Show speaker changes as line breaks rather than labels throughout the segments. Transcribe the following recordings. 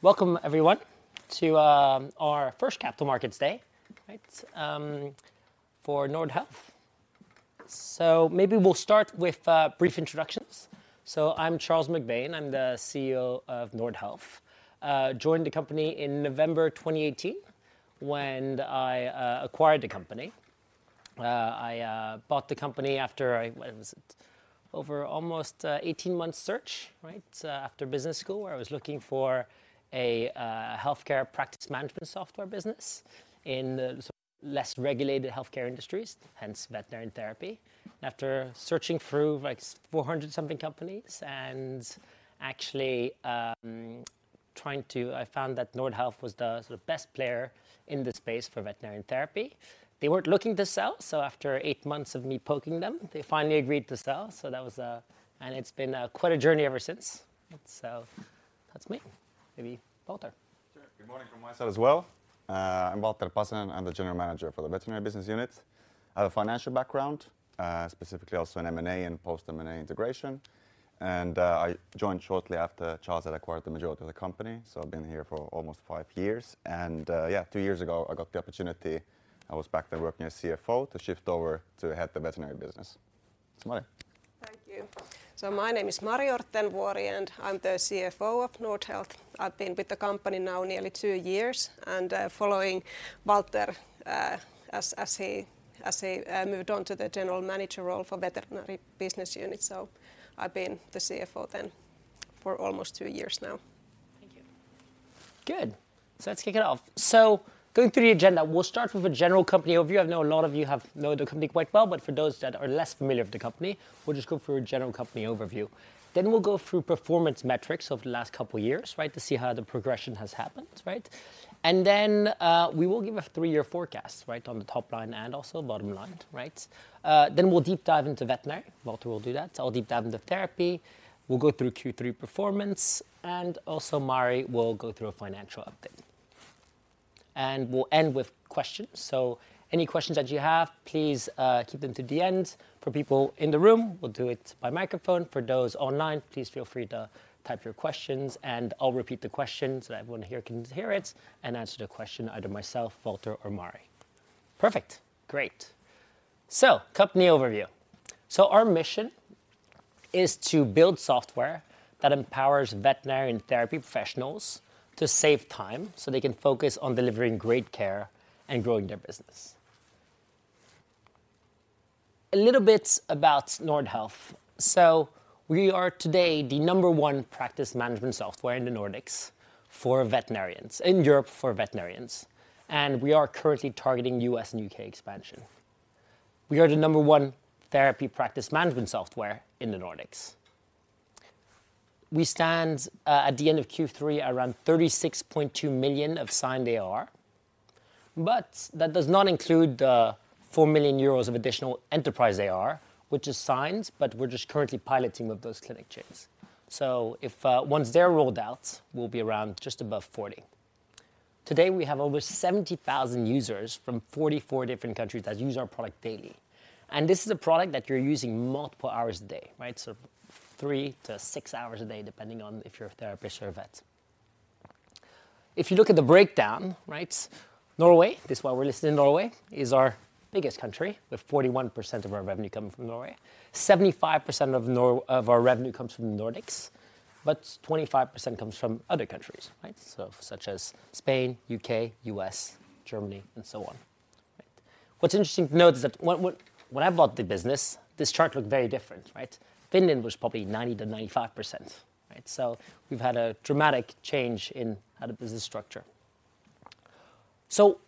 Welcome everyone to our first Capital Markets Day, right? For Nordhealth. So maybe we'll start with brief introductions. So I'm Charles MacBain, I'm the CEO of Nordhealth. Joined the company in November 2018, when I acquired the company. I bought the company after I, when was it? Over almost 18 months search, right? After business school, where I was looking for a healthcare practice management software business in the less regulated healthcare industries, hence veterinary and therapy. After searching through like 400-something companies and actually trying to... I found that Nordhealth was the sort of best player in this space for veterinary and therapy. They weren't looking to sell, so after 8 months of me poking them, they finally agreed to sell. So that was... It's been quite a journey ever since. So that's me. Maybe Valter.
Sure. Good morning from my side as well. I'm Valter Pasanen, I'm the General Manager for the Veterinary Business Unit. I have a financial background, specifically also in M&A and post-M&A integration. I joined shortly after Charles had acquired the majority of the company, so I've been here for almost five years. Yeah, two years ago, I got the opportunity, I was back then working as CFO, to shift over to head the veterinary business. Mari.
Thank you. So my name is Mari Orttenvuori, and I'm the CFO of Nordhealth. I've been with the company now nearly two years, and, following Valter, as he moved on to the General Manager role for Veterinary Business Unit. So I've been the CFO then for almost two years now.
Thank you. Good. So let's kick it off. So going through the agenda, we'll start with a general company overview. I know a lot of you have know the company quite well, but for those that are less familiar with the company, we'll just go through a general company overview. Then we'll go through performance metrics of the last couple of years, right? To see how the progression has happened, right? And then, we will give a three-year forecast, right on the top line and also bottom line, right? Then we'll deep dive into veterinary. Valter will do that. I'll deep dive into therapy. We'll go through Q3 performance, and also Mari will go through a financial update. And we'll end with questions, so any questions that you have, please, keep them to the end. For people in the room, we'll do it by microphone. For those online, please feel free to type your questions, and I'll repeat the question so everyone here can hear it, and answer the question either myself, Valter, or Mari. Perfect. Great. So company overview. So our mission is to build software that empowers veterinary and therapy professionals to save time, so they can focus on delivering great care and growing their business. A little bit about Nordhealth. So we are today the number one practice management software in the Nordics for veterinarians, in Europe for veterinarians, and we are currently targeting U.S. and U.K. expansion. We are the number one therapy practice management software in the Nordics. We stand at the end of Q3, around 36.2 m`illion of signed ARR, but that does not include the 4 million euros of additional enterprise ARR, which is signed, but we're just currently piloting with those clinic chains. If once they're rolled out, we'll be around just above 40. Today, we have over 70,000 users from 44 different countries that use our product daily. And this is a product that you're using multiple hours a day, right? So three to six hours a day, depending on if you're a therapist or a vet. If you look at the breakdown, right, Norway, this is why we're listed in Norway, is our biggest country, with 41% of our revenue coming from Norway. 75% of our revenue comes from the Nordics, but 25% comes from other countries, right? So such as Spain, U.K., U.S., Germany, and so on. Right. What's interesting to note is that when I bought the business, this chart looked very different, right? Finland was probably 90%-95%, right? So we've had a dramatic change in how the business structure. So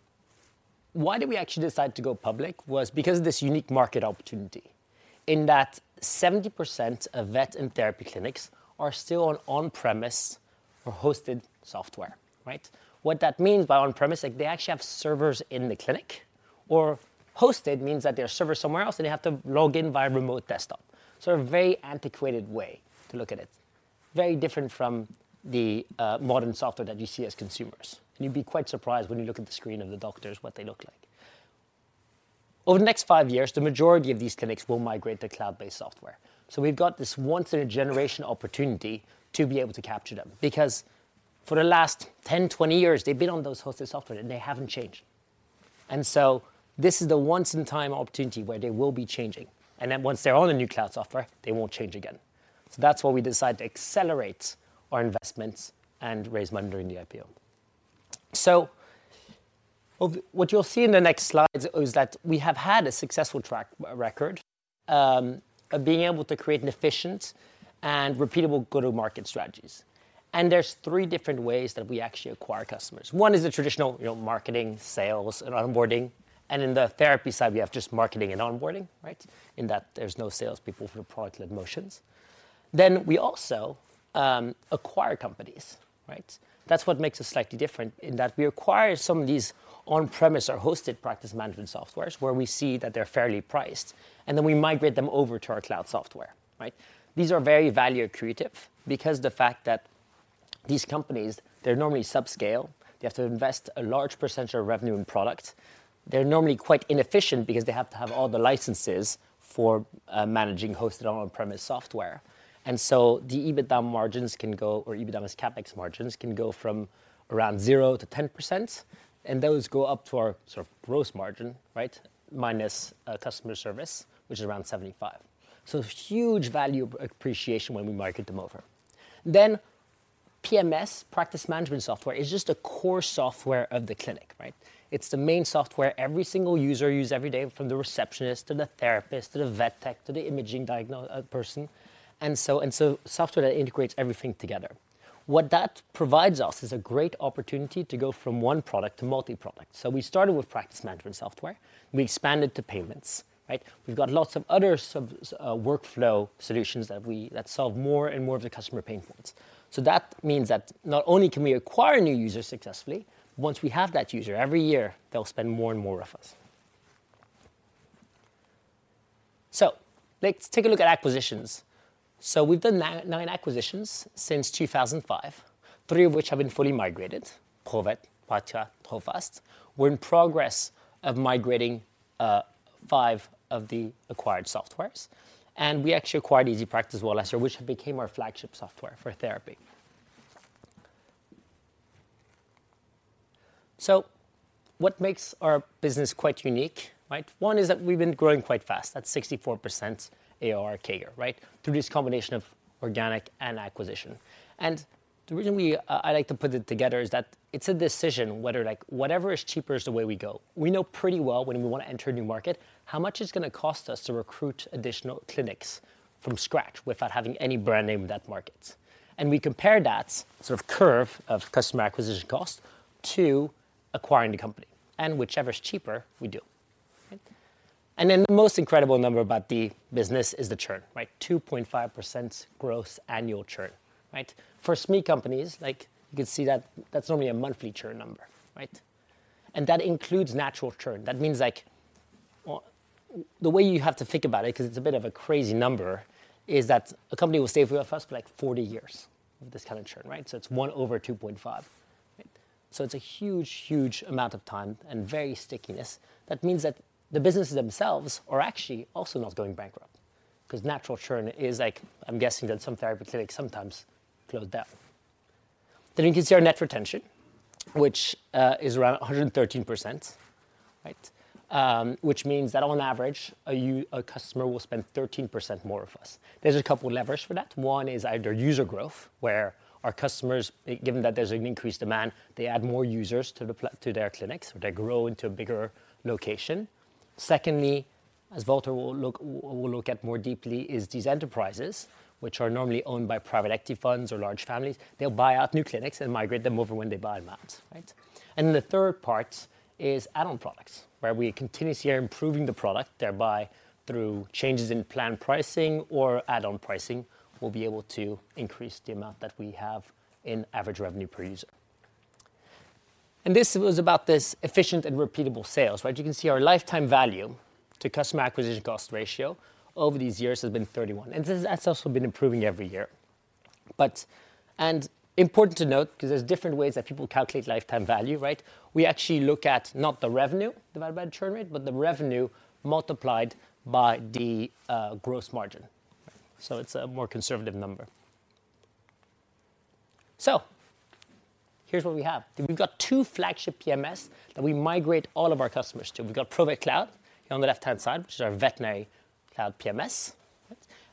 why did we actually decide to go public? It was because of this unique market opportunity, in that 70% of vet and therapy clinics are still on on-premise or hosted software, right? What that means by on-premise, like, they actually have servers in the clinic, or hosted means that there's server somewhere else, and they have to log in via remote desktop. So a very antiquated way to look at it. Very different from the, modern software that you see as consumers. And you'd be quite surprised when you look at the screen of the doctors, what they look like. Over the next five years, the majority of these clinics will migrate to cloud-based software. So we've got this once in a generation opportunity to be able to capture them, because for the last 10, 20 years, they've been on those hosted software, and they haven't changed. And so this is the once in time opportunity where they will be changing, and then once they're on a new cloud software, they won't change again. So that's why we decided to accelerate our investments and raise money during the IPO. So what you'll see in the next slides is that we have had a successful track record of being able to create an efficient and repeatable go-to-market strategies. And there's three different ways that we actually acquire customers. One is the traditional, you know, marketing, sales, and onboarding, and in the therapy side, we have just marketing and onboarding, right? In that there's no sales people for product-led motions. Then we also acquire companies, right? That's what makes us slightly different, in that we acquire some of these on-premise or hosted practice management softwares, where we see that they're fairly priced, and then we migrate them over to our cloud software, right? These are very value accretive because These companies, they're normally subscale. They have to invest a large percentage of revenue in product. They're normally quite inefficient because they have to have all the licenses for managing hosted on-premise software. And so the EBITDA margins can go or EBITDA as CapEx margins can go from around 0%-10%, and those go up to our sort of gross margin, right, minus customer service, which is around 75%. So huge value appreciation when we migrate them over. Then PMS, practice management software, is just a core software of the clinic, right? It's the main software every single user use every day, from the receptionist to the therapist to the vet tech to the imaging diagnosis person, and so software that integrates everything together. What that provides us is a great opportunity to go from one product to multi-product. So we started with practice management software, and we expanded to payments, right? We've got lots of other subs, workflow solutions that solve more and more of the customer pain points. So that means that not only can we acquire new users successfully, once we have that user, every year, they'll spend more and more with us. So let's take a look at acquisitions. So we've done nine acquisitions since 2005, three of which have been fully migrated, Provet Cloud, Pata, Provet Pay. We're in progress of migrating five of the acquired softwares, and we actually acquired EasyPractice last year, which became our flagship software for therapy. So what makes our business quite unique, right? One is that we've been growing quite fast. That's 64% ARR CAGR, right? Through this combination of organic and acquisition. And the reason we I like to put it together is that it's a decision whether, like, whatever is cheaper is the way we go. We know pretty well when we wanna enter a new market, how much it's gonna cost us to recruit additional clinics from scratch without having any brand name in that market. And we compare that sort of curve of customer acquisition cost to acquiring the company, and whichever is cheaper, we do. Okay? And then the most incredible number about the business is the churn, right? 2.5% growth annual churn, right? For SME companies, like, you can see that that's only a monthly churn number, right? That includes natural churn. That means like, well, the way you have to think about it, 'cause it's a bit of a crazy number, is that a company will stay with us for, like, 40 years with this kind of churn, right? So it's 1/2.5. So it's a huge, huge amount of time and very stickiness. That means that the businesses themselves are actually also not going bankrupt, 'cause natural churn is like, I'm guessing, that some therapy clinics sometimes close down. Then you can see our net retention, which is around 113%, right? Which means that on average, a customer will spend 13% more with us. There's a couple of levers for that. One is either user growth, where our customers, given that there's an increased demand, they add more users to their clinics, or they grow into a bigger location. Secondly, as Valter will look at more deeply, is these enterprises, which are normally owned by private equity funds or large families. They'll buy out new clinics and migrate them over when they buy them out, right? And then the third part is add-on products, where we continuously are improving the product, thereby through changes in plan pricing or add-on pricing, we'll be able to increase the amount that we have in average revenue per user. And this was about this efficient and repeatable sales, right? You can see our lifetime value to customer acquisition cost ratio over these years has been 31, and this, that's also been improving every year. And important to note, 'cause there's different ways that people calculate lifetime value, right? We actually look at not the revenue, divided by the churn rate, but the revenue multiplied by the gross margin. So it's a more conservative number. So here's what we have. We've got two flagship PMS that we migrate all of our customers to. We've got Provet Cloud, on the left-hand side, which is our veterinary cloud PMS.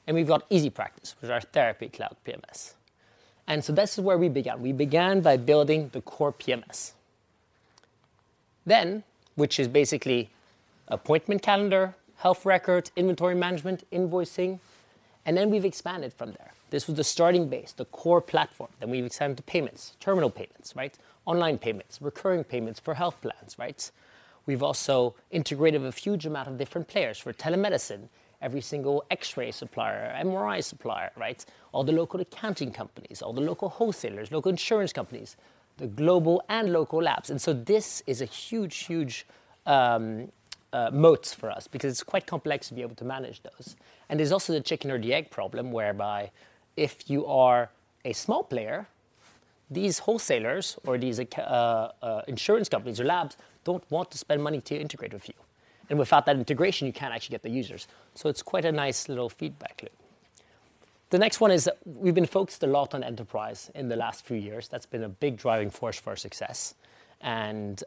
And we've got EasyPractice, which is our therapy cloud PMS. And so this is where we began. We began by building the core PMS. Then, which is basically appointment calendar, health record, inventory management, invoicing, and then we've expanded from there. This was the starting base, the core platform. Then we've extended to payments, terminal payments, right? Online payments, recurring payments for health plans, right? We've also integrated a huge amount of different players for telemedicine, every single X-ray supplier, MRI supplier, right? All the local accounting companies, all the local wholesalers, local insurance companies, the global and local labs. And so this is a huge, huge, moats for us because it's quite complex to be able to manage those. And there's also the chicken or the egg problem, whereby if you are a small player, these wholesalers or these insurance companies or labs don't want to spend money to integrate with you. And without that integration, you can't actually get the users. So it's quite a nice little feedback loop. The next one is we've been focused a lot on enterprise in the last few years. That's been a big driving force for our success. And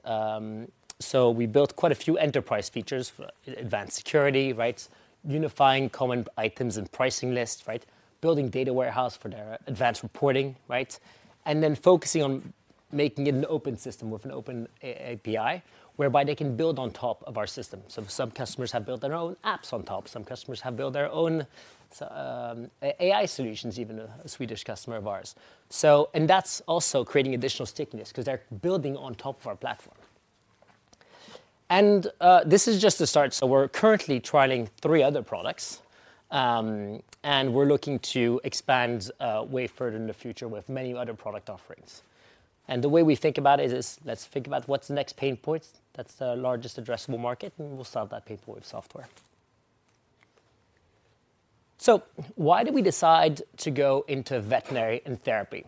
so we built quite a few enterprise features for advanced security, right? Unifying common items and pricing lists, right? Building data warehouse for their advanced reporting, right? And then focusing on making it an open system with an open API, whereby they can build on top of our system. So some customers have built their own apps on top. Some customers have built their own AI solutions, even a Swedish customer of ours. So and that's also creating additional stickiness 'cause they're building on top of our platform. And this is just the start. So we're currently trialing three other products, and we're looking to expand way further in the future with many other product offerings. The way we think about it is, let's think about what's the next pain points, that's the largest addressable market, and we'll solve that pain point with software. So why did we decide to go into veterinary and therapy?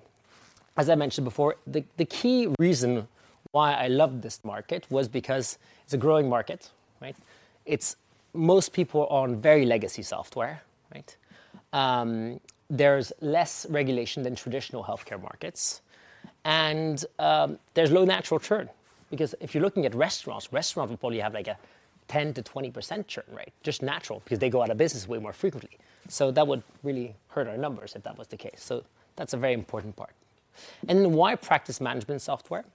As I mentioned before, the key reason why I loved this market was because it's a growing market, right? It's. Most people are on very legacy software, right? There's less regulation than traditional healthcare markets. And, there's low natural churn, because if you're looking at restaurants, restaurants will probably have, like, a 10%-20% churn rate, just natural, because they go out of business way more frequently. So that would really hurt our numbers if that was the case. So that's a very important part. And why practice management software,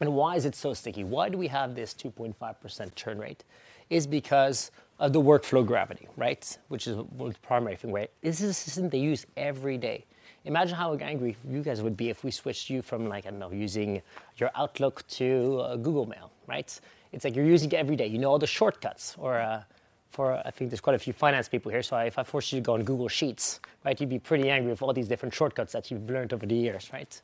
and why is it so sticky? Why do we have this 2.5% churn rate? Is because of the workflow gravity, right, which is the most primary thing, where This is a system they use every day. Imagine how angry you guys would be if we switched you from, like, I don't know, using your Outlook to Google Mail, right? It's like you're using it every day. You know all the shortcuts. Or, for I think there's quite a few finance people here, so if I forced you to go on Google Sheets, right, you'd be pretty angry with all these different shortcuts that you've learned over the years, right?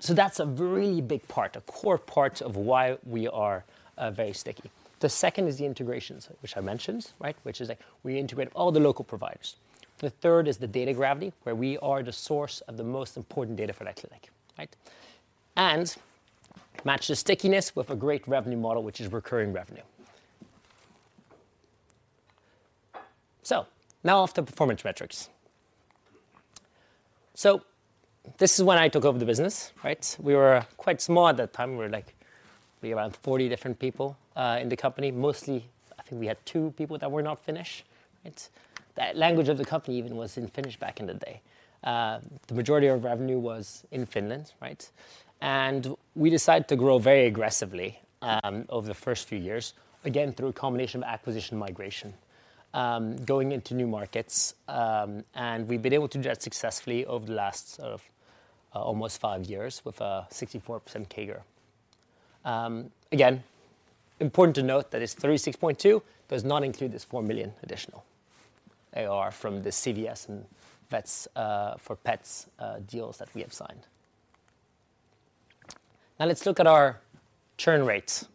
So that's a really big part, a core part of why we are very sticky. The second is the integrations, which I mentioned, right? Which is, like, we integrate all the local providers. The third is the data gravity, where we are the source of the most important data for that clinic, right? And match the stickiness with a great revenue model, which is recurring revenue. So now off to performance metrics. So this is when I took over the business, right? We were quite small at that time. We were, like, maybe around 40 different people in the company. Mostly, I think we had two people that were not Finnish, right? The language of the company even was in Finnish back in the day. The majority of revenue was in Finland, right? And we decided to grow very aggressively over the first few years, again, through a combination of acquisition and migration, going into new markets. And we've been able to do that successfully over the last sort of almost five years with a 64% CAGR. Again, important to note that this 36.2 million does not include this 4 million additional AR from the CVS and Vets for Pets deals that we have signed. Now let's look at our churn rates.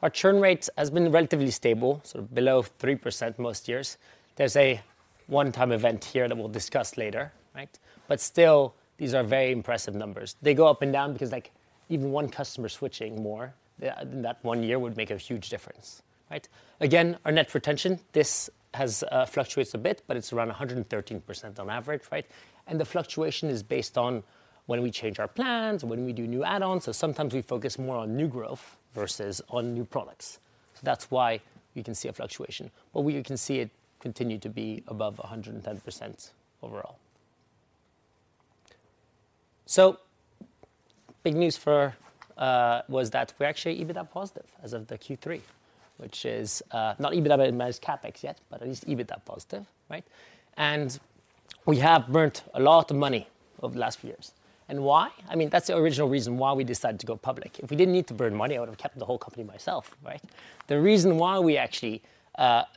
Our churn rate has been relatively stable, so below 3% most years. There's a one-time event here that we'll discuss later, right? But still, these are very impressive numbers. They go up and down because, like, even one customer switching more, yeah, than that one year would make a huge difference, right? Again, our net retention, this has fluctuates a bit, but it's around 113% on average, right? The fluctuation is based on when we change our plans and when we do new add-ons. So sometimes we focus more on new growth versus on new products. So that's why you can see a fluctuation, but we—you can see it continue to be above 110% overall. So big news for was that we're actually EBITDA positive as of the Q3, which is not EBITDA minus CapEx yet, but at least EBITDA positive, right? And we have burnt a lot of money over the last few years. And why? I mean, that's the original reason why we decided to go public. If we didn't need to burn money, I would have kept the whole company myself, right? The reason why we actually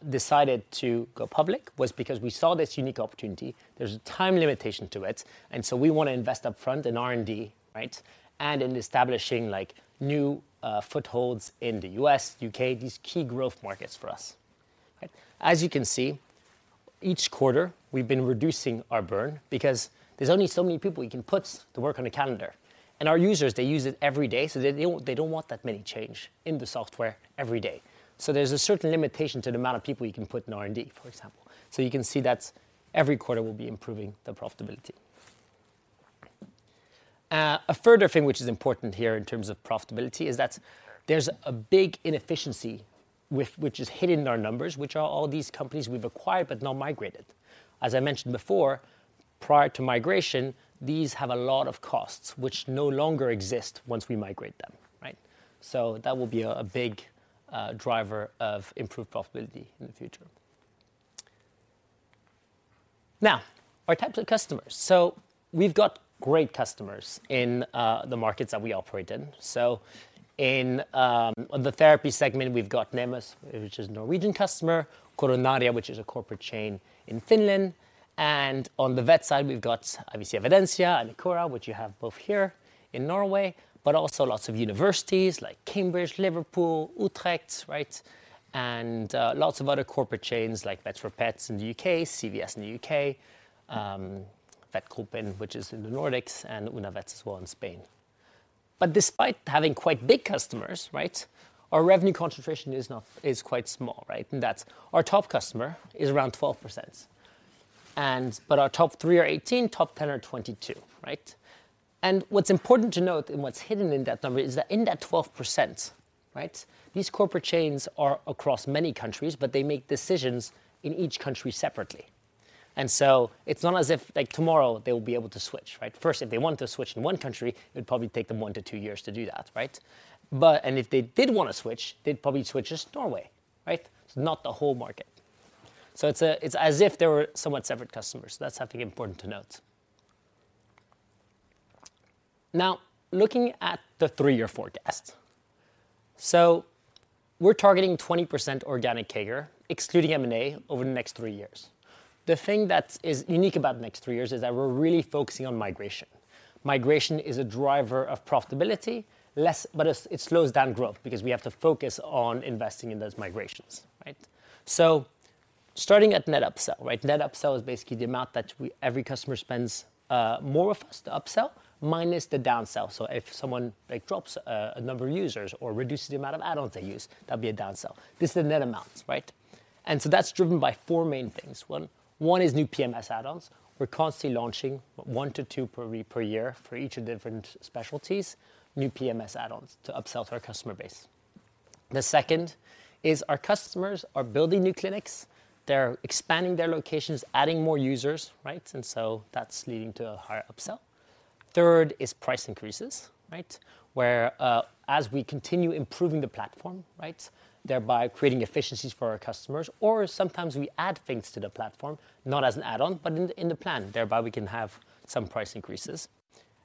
decided to go public was because we saw this unique opportunity. There's a time limitation to it, and so we want to invest up front in R&D, right, and in establishing, like, new footholds in the U.S., U.K., these key growth markets for us. Right. As you can see, each quarter we've been reducing our burn because there's only so many people you can put to work on a calendar. And our users, they use it every day, so they don't, they don't want that many change in the software every day. So there's a certain limitation to the amount of people you can put in R&D, for example. So you can see that every quarter we'll be improving the profitability. A further thing which is important here in terms of profitability is that there's a big inefficiency with- which is hidden in our numbers, which are all these companies we've acquired but not migrated. As I mentioned before, prior to migration, these have a lot of costs which no longer exist once we migrate them, right? So that will be a big driver of improved profitability in the future. Now, our types of customers. So we've got great customers in the markets that we operate in. So in on the therapy segment, we've got Nemus, which is a Norwegian customer, Coronaria, which is a corporate chain in Finland, and on the vet side, we've got obviously Evidensia and AniCura, which you have both here in Norway, but also lots of universities like Cambridge, Liverpool, Utrecht, right? And lots of other corporate chains like Vets for Pets in the U.K., CVS in the U.K., VetGruppen, which is in the Nordics, and UNAVETS as well in Spain. But despite having quite big customers, right, our revenue concentration is not quite small, right? And that's our top customer is around 12%, and but our top three are 18%, top 10 are 22%, right? And what's important to note, and what's hidden in that number, is that in that 12%, right, these corporate chains are across many countries, but they make decisions in each country separately. And so it's not as if, like, tomorrow, they will be able to switch, right? First, if they wanted to switch in one country, it would probably take them one to two years to do that, right? But... And if they did want to switch, they'd probably switch just to Norway, right? So not the whole market. So it's, it's as if they were somewhat separate customers. So that's something important to note. Now, looking at the three-year forecast. So we're targeting 20% organic CAGR, excluding M&A, over the next three years. The thing that is unique about the next three years is that we're really focusing on migration. Migration is a driver of profitability, less, but it slows down growth because we have to focus on investing in those migrations, right? So starting at net upsell, right? Net upsell is basically the amount that every customer spends more with us, the upsell, minus the downsell. So if someone, like, drops a number of users or reduces the amount of add-ons they use, that'd be a downsell. This is the net amount, right? And so that's driven by four main things. One is new PMS add-ons. We're constantly launching one to two per year for each of different specialties, new PMS add-ons to upsell to our customer base. The second is our customers are building new clinics. They're expanding their locations, adding more users, right? And so that's leading to a higher upsell. Third is price increases, right? Where, as we continue improving the platform, right, thereby creating efficiencies for our customers, or sometimes we add things to the platform, not as an add-on, but in the plan. Thereby, we can have some price increases.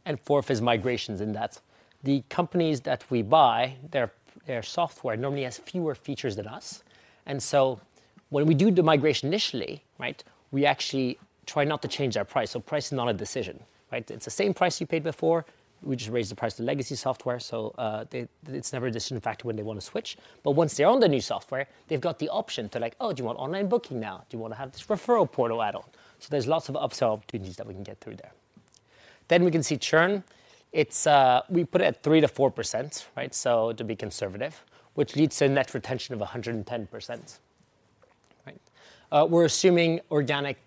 And fourth is migrations, and that's the companies that we buy, their software normally has fewer features than us. And so when we do the migration initially, right, we actually try not to change our price. So price is not a decision, right? It's the same price you paid before. We just raised the price to legacy software, so, it's never a decision factor when they wanna switch. Once they're on the new software, they've got the option to like, "Oh, do you want online booking now? Do you wanna have this referral portal add-on?" There's lots of upsell opportunities that we can get through there. We can see churn. It's, we put it at 3%-4%, right? To be conservative, which leads to a net retention of 110%, right. We're assuming organic,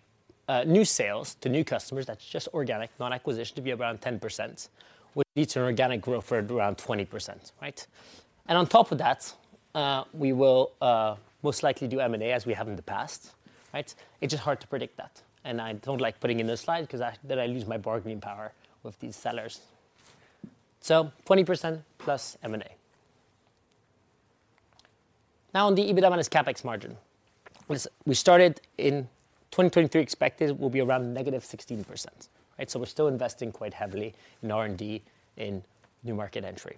new sales to new customers, that's just organic, not acquisition, to be around 10%, which leads to an organic growth rate around 20%, right? On top of that, we will, most likely do M&A, as we have in the past, right? It's just hard to predict that. I don't like putting in this slide 'cause then I lose my bargaining power with these sellers. So 20% plus M&A. Now, on the EBITDA minus CapEx margin, was. We started in 2023, expected will be around -16%, right? So we're still investing quite heavily in R&D, in new market entry.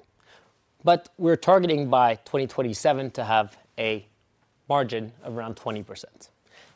But we're targeting by 2027 to have a margin of around 20%.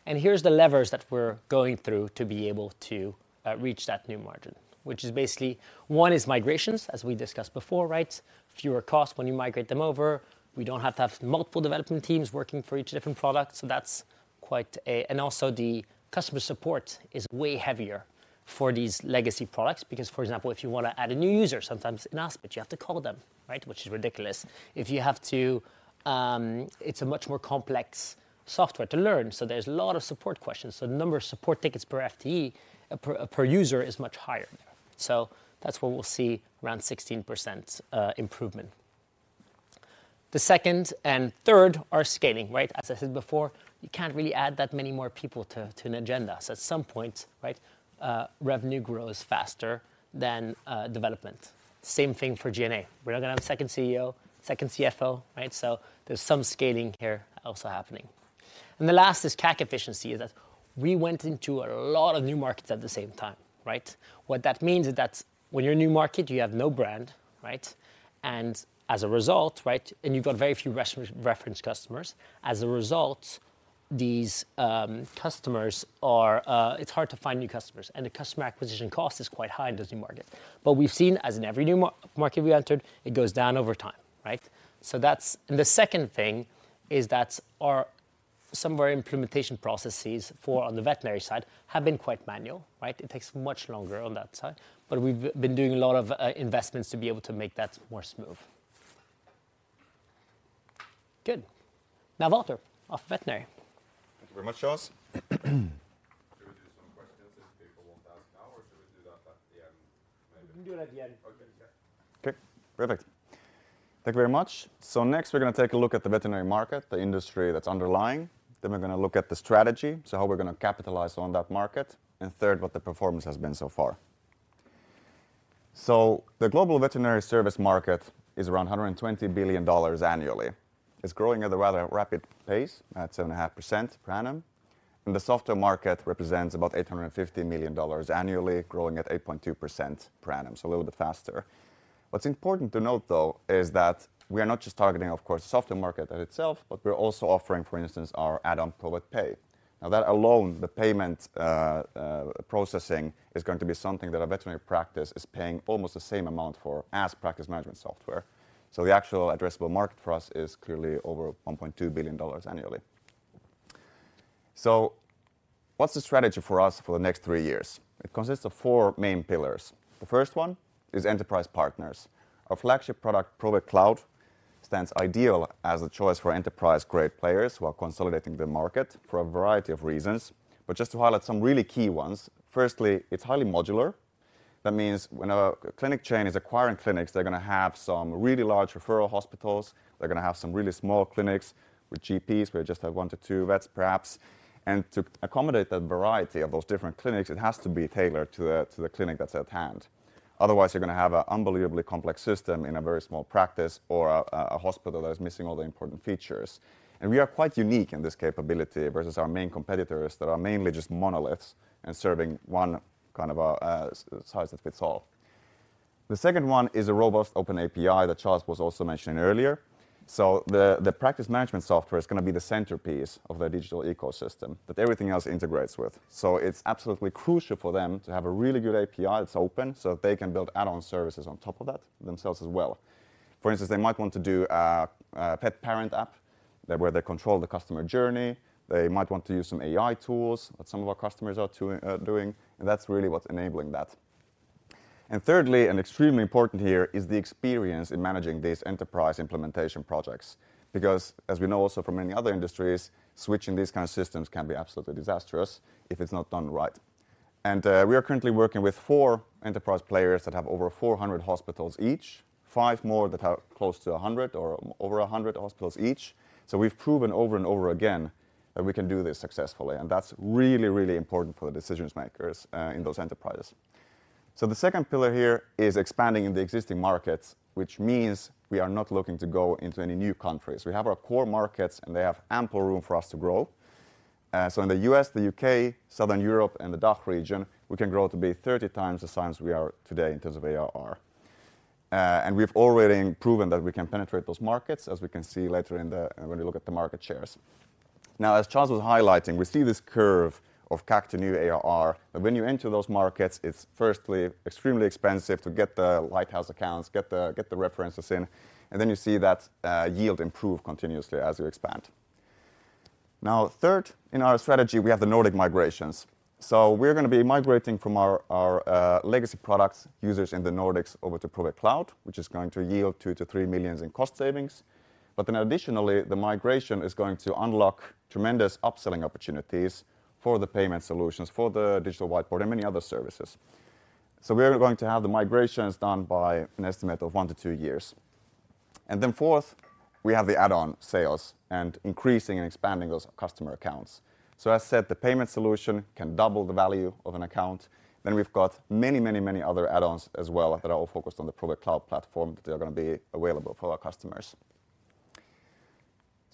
And here's the levers that we're going through to be able to reach that new margin, which is basically one is migrations, as we discussed before, right? Fewer costs when you migrate them over. We don't have to have multiple development teams working for each different product, so that's quite a. And also, the customer support is way heavier for these legacy products because, for example, if you wanna add a new user, sometimes in Aspit, you have to call them, right? Which is ridiculous. If you have to, It's a much more complex software to learn, so there's a lot of support questions. So the number of support tickets per FTE per user is much higher. So that's where we'll see around 16% improvement. The second and third are scaling, right? As I said before, you can't really add that many more people to an agenda. So at some point, right, revenue grows faster than development. Same thing for G&A. We're not gonna have a second CEO, second CFO, right? So there's some scaling here also happening. And the last is CAC efficiency, is that we went into a lot of new markets at the same time, right? What that means is that when you're a new market, you have no brand, right? And as a result, right, and you've got very few reference customers. As a result, these customers are... It's hard to find new customers, and the customer acquisition cost is quite high in those new market. But we've seen, as in every new market we entered, it goes down over time, right? So that's. And the second thing is that some of our implementation processes on the veterinary side have been quite manual, right? It takes much longer on that side, but we've been doing a lot of investments to be able to make that more smooth. Good. Now, Valter, off to veterinary.
Thank you very much, Charles. Should we do some questions if people want to ask now, or should we do that at the end?
We can do it at the end.
Okay, yeah. Okay, perfect. Thank you very much. So next, we're gonna take a look at the veterinary market, the industry that's underlying. Then we're gonna look at the strategy, so how we're gonna capitalize on that market. And third, what the performance has been so far. So the global veterinary service market is around $120 billion annually. It's growing at a rather rapid pace, at 7.5% per annum, and the software market represents about $850 million annually, growing at 8.2% per annum, so a little bit faster. What's important to note, though, is that we are not just targeting, of course, software market in itself, but we're also offering, for instance, our add-on Provet Pay. Now, that alone, the payment processing, is going to be something that a veterinary practice is paying almost the same amount for as practice management software. So the actual addressable market for us is clearly over $1.2 billion annually. So what's the strategy for us for the next three years? It consists of four main pillars. The first one is enterprise partners. Our flagship product, Provet Cloud, stands ideal as a choice for enterprise-grade players who are consolidating the market for a variety of reasons. But just to highlight some really key ones, firstly, it's highly modular. That means when a clinic chain is acquiring clinics, they're gonna have some really large referral hospitals, they're gonna have some really small clinics with GPs, where you just have one to two vets, perhaps. To accommodate that variety of those different clinics, it has to be tailored to the, to the clinic that's at hand. Otherwise, you're gonna have an unbelievably complex system in a very small practice or a hospital that is missing all the important features. We are quite unique in this capability versus our main competitors that are mainly just monoliths and serving one kind of a size that fits all. The second one is a robust open API that Charles was also mentioning earlier. So the practice management software is going to be the centerpiece of the digital ecosystem that everything else integrates with. So it's absolutely crucial for them to have a really good API that's open, so they can build add-on services on top of that themselves as well. For instance, they might want to do a pet parent app, where they control the customer journey. They might want to use some AI tools that some of our customers are too doing, and that's really what's enabling that. And thirdly, and extremely important here, is the experience in managing these enterprise implementation projects. Because as we know also from many other industries, switching these kind of systems can be absolutely disastrous if it's not done right. And we are currently working with four enterprise players that have over 400 hospitals each, five more that have close to 100 or over 100 hospitals each. So we've proven over and over again that we can do this successfully, and that's really, really important for the decision makers in those enterprises. So the second pillar here is expanding in the existing markets, which means we are not looking to go into any new countries. We have our core markets, and they have ample room for us to grow. So in the U.S., the U.K., Southern Europe, and the DACH region, we can grow to be 30 times the size we are today in terms of ARR. And we've already proven that we can penetrate those markets, as we can see later in the, when we look at the market shares. Now, as Charles was highlighting, we see this curve of CAC to new ARR, that when you enter those markets, it's firstly extremely expensive to get the lighthouse accounts, get the references in, and then you see that yield improve continuously as you expand. Now, third in our strategy, we have the Nordic migrations. So we're gonna be migrating from our legacy products users in the Nordics over to Provet Cloud, which is going to yield 2 million-3 million in cost savings. But then additionally, the migration is going to unlock tremendous upselling opportunities for the payment solutions, for the digital whiteboard, and many other services. So we are going to have the migrations done by an estimate of one to two years. And then fourth, we have the add-on sales and increasing and expanding those customer accounts. So as I said, the payment solution can double the value of an account. Then we've got many, many, many other add-ons as well that are all focused on the Provet Cloud platform, that they are gonna be available for our customers.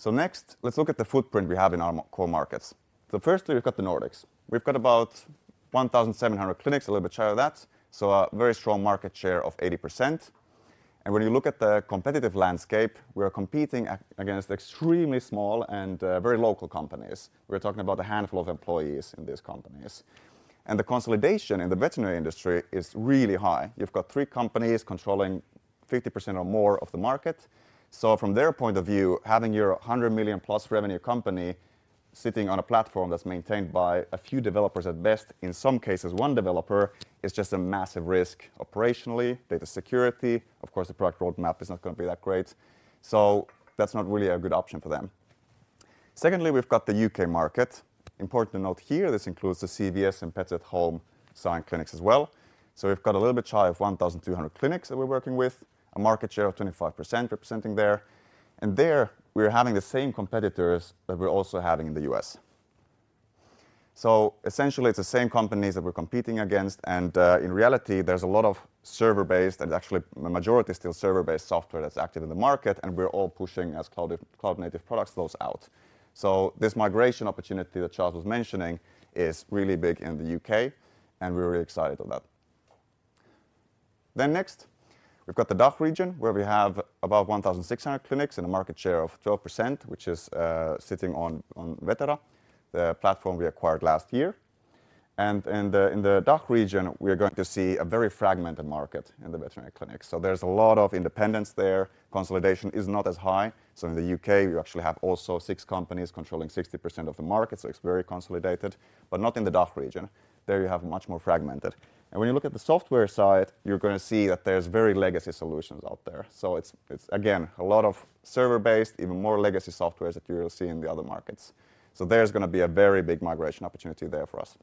So next, let's look at the footprint we have in our core markets. So firstly, we've got the Nordics. We've got about 1,700 clinics, a little bit shy of that, so a very strong market share of 80%. And when you look at the competitive landscape, we are competing against extremely small and very local companies. We're talking about a handful of employees in these companies. And the consolidation in the veterinary industry is really high. You've got three companies controlling 50% or more of the market. So from their point of view, having your 100 million+ revenue company sitting on a platform that's maintained by a few developers at best, in some cases one developer, is just a massive risk operationally, data security, of course, the product roadmap is not going to be that great. So that's not really a good option for them. Secondly, we've got the U.K. market. Important to note here, this includes the CVS and Pets at Home signed clinics as well. So we've got a little bit shy of 1,200 clinics that we're working with, a market share of 25% representing there. And there, we're having the same competitors that we're also having in the U.S. So essentially, it's the same companies that we're competing against, and, in reality, there's a lot of server-based, and actually, the majority is still server-based software that's active in the market, and we're all pushing as cloud, cloud-native products, those out. So this migration opportunity that Charles was mentioning is really big in the U.K., and we're really excited about that. Then next, we've got the DACH region, where we have about 1,600 clinics and a market share of 12%, which is sitting on, on Vetera, the platform we acquired last year. And in the DACH region, we are going to see a very fragmented market in the veterinary clinics. So there's a lot of independence there. Consolidation is not as high. So in the U.K., you actually have also 6 companies controlling 60% of the market, so it's very consolidated, but not in the DACH region. There, you have much more fragmented. And when you look at the software side, you're gonna see that there's very legacy solutions out there. So it's again, a lot of server-based, even more legacy softwares that you will see in the other markets. So there's gonna be a very big migration opportunity there for us.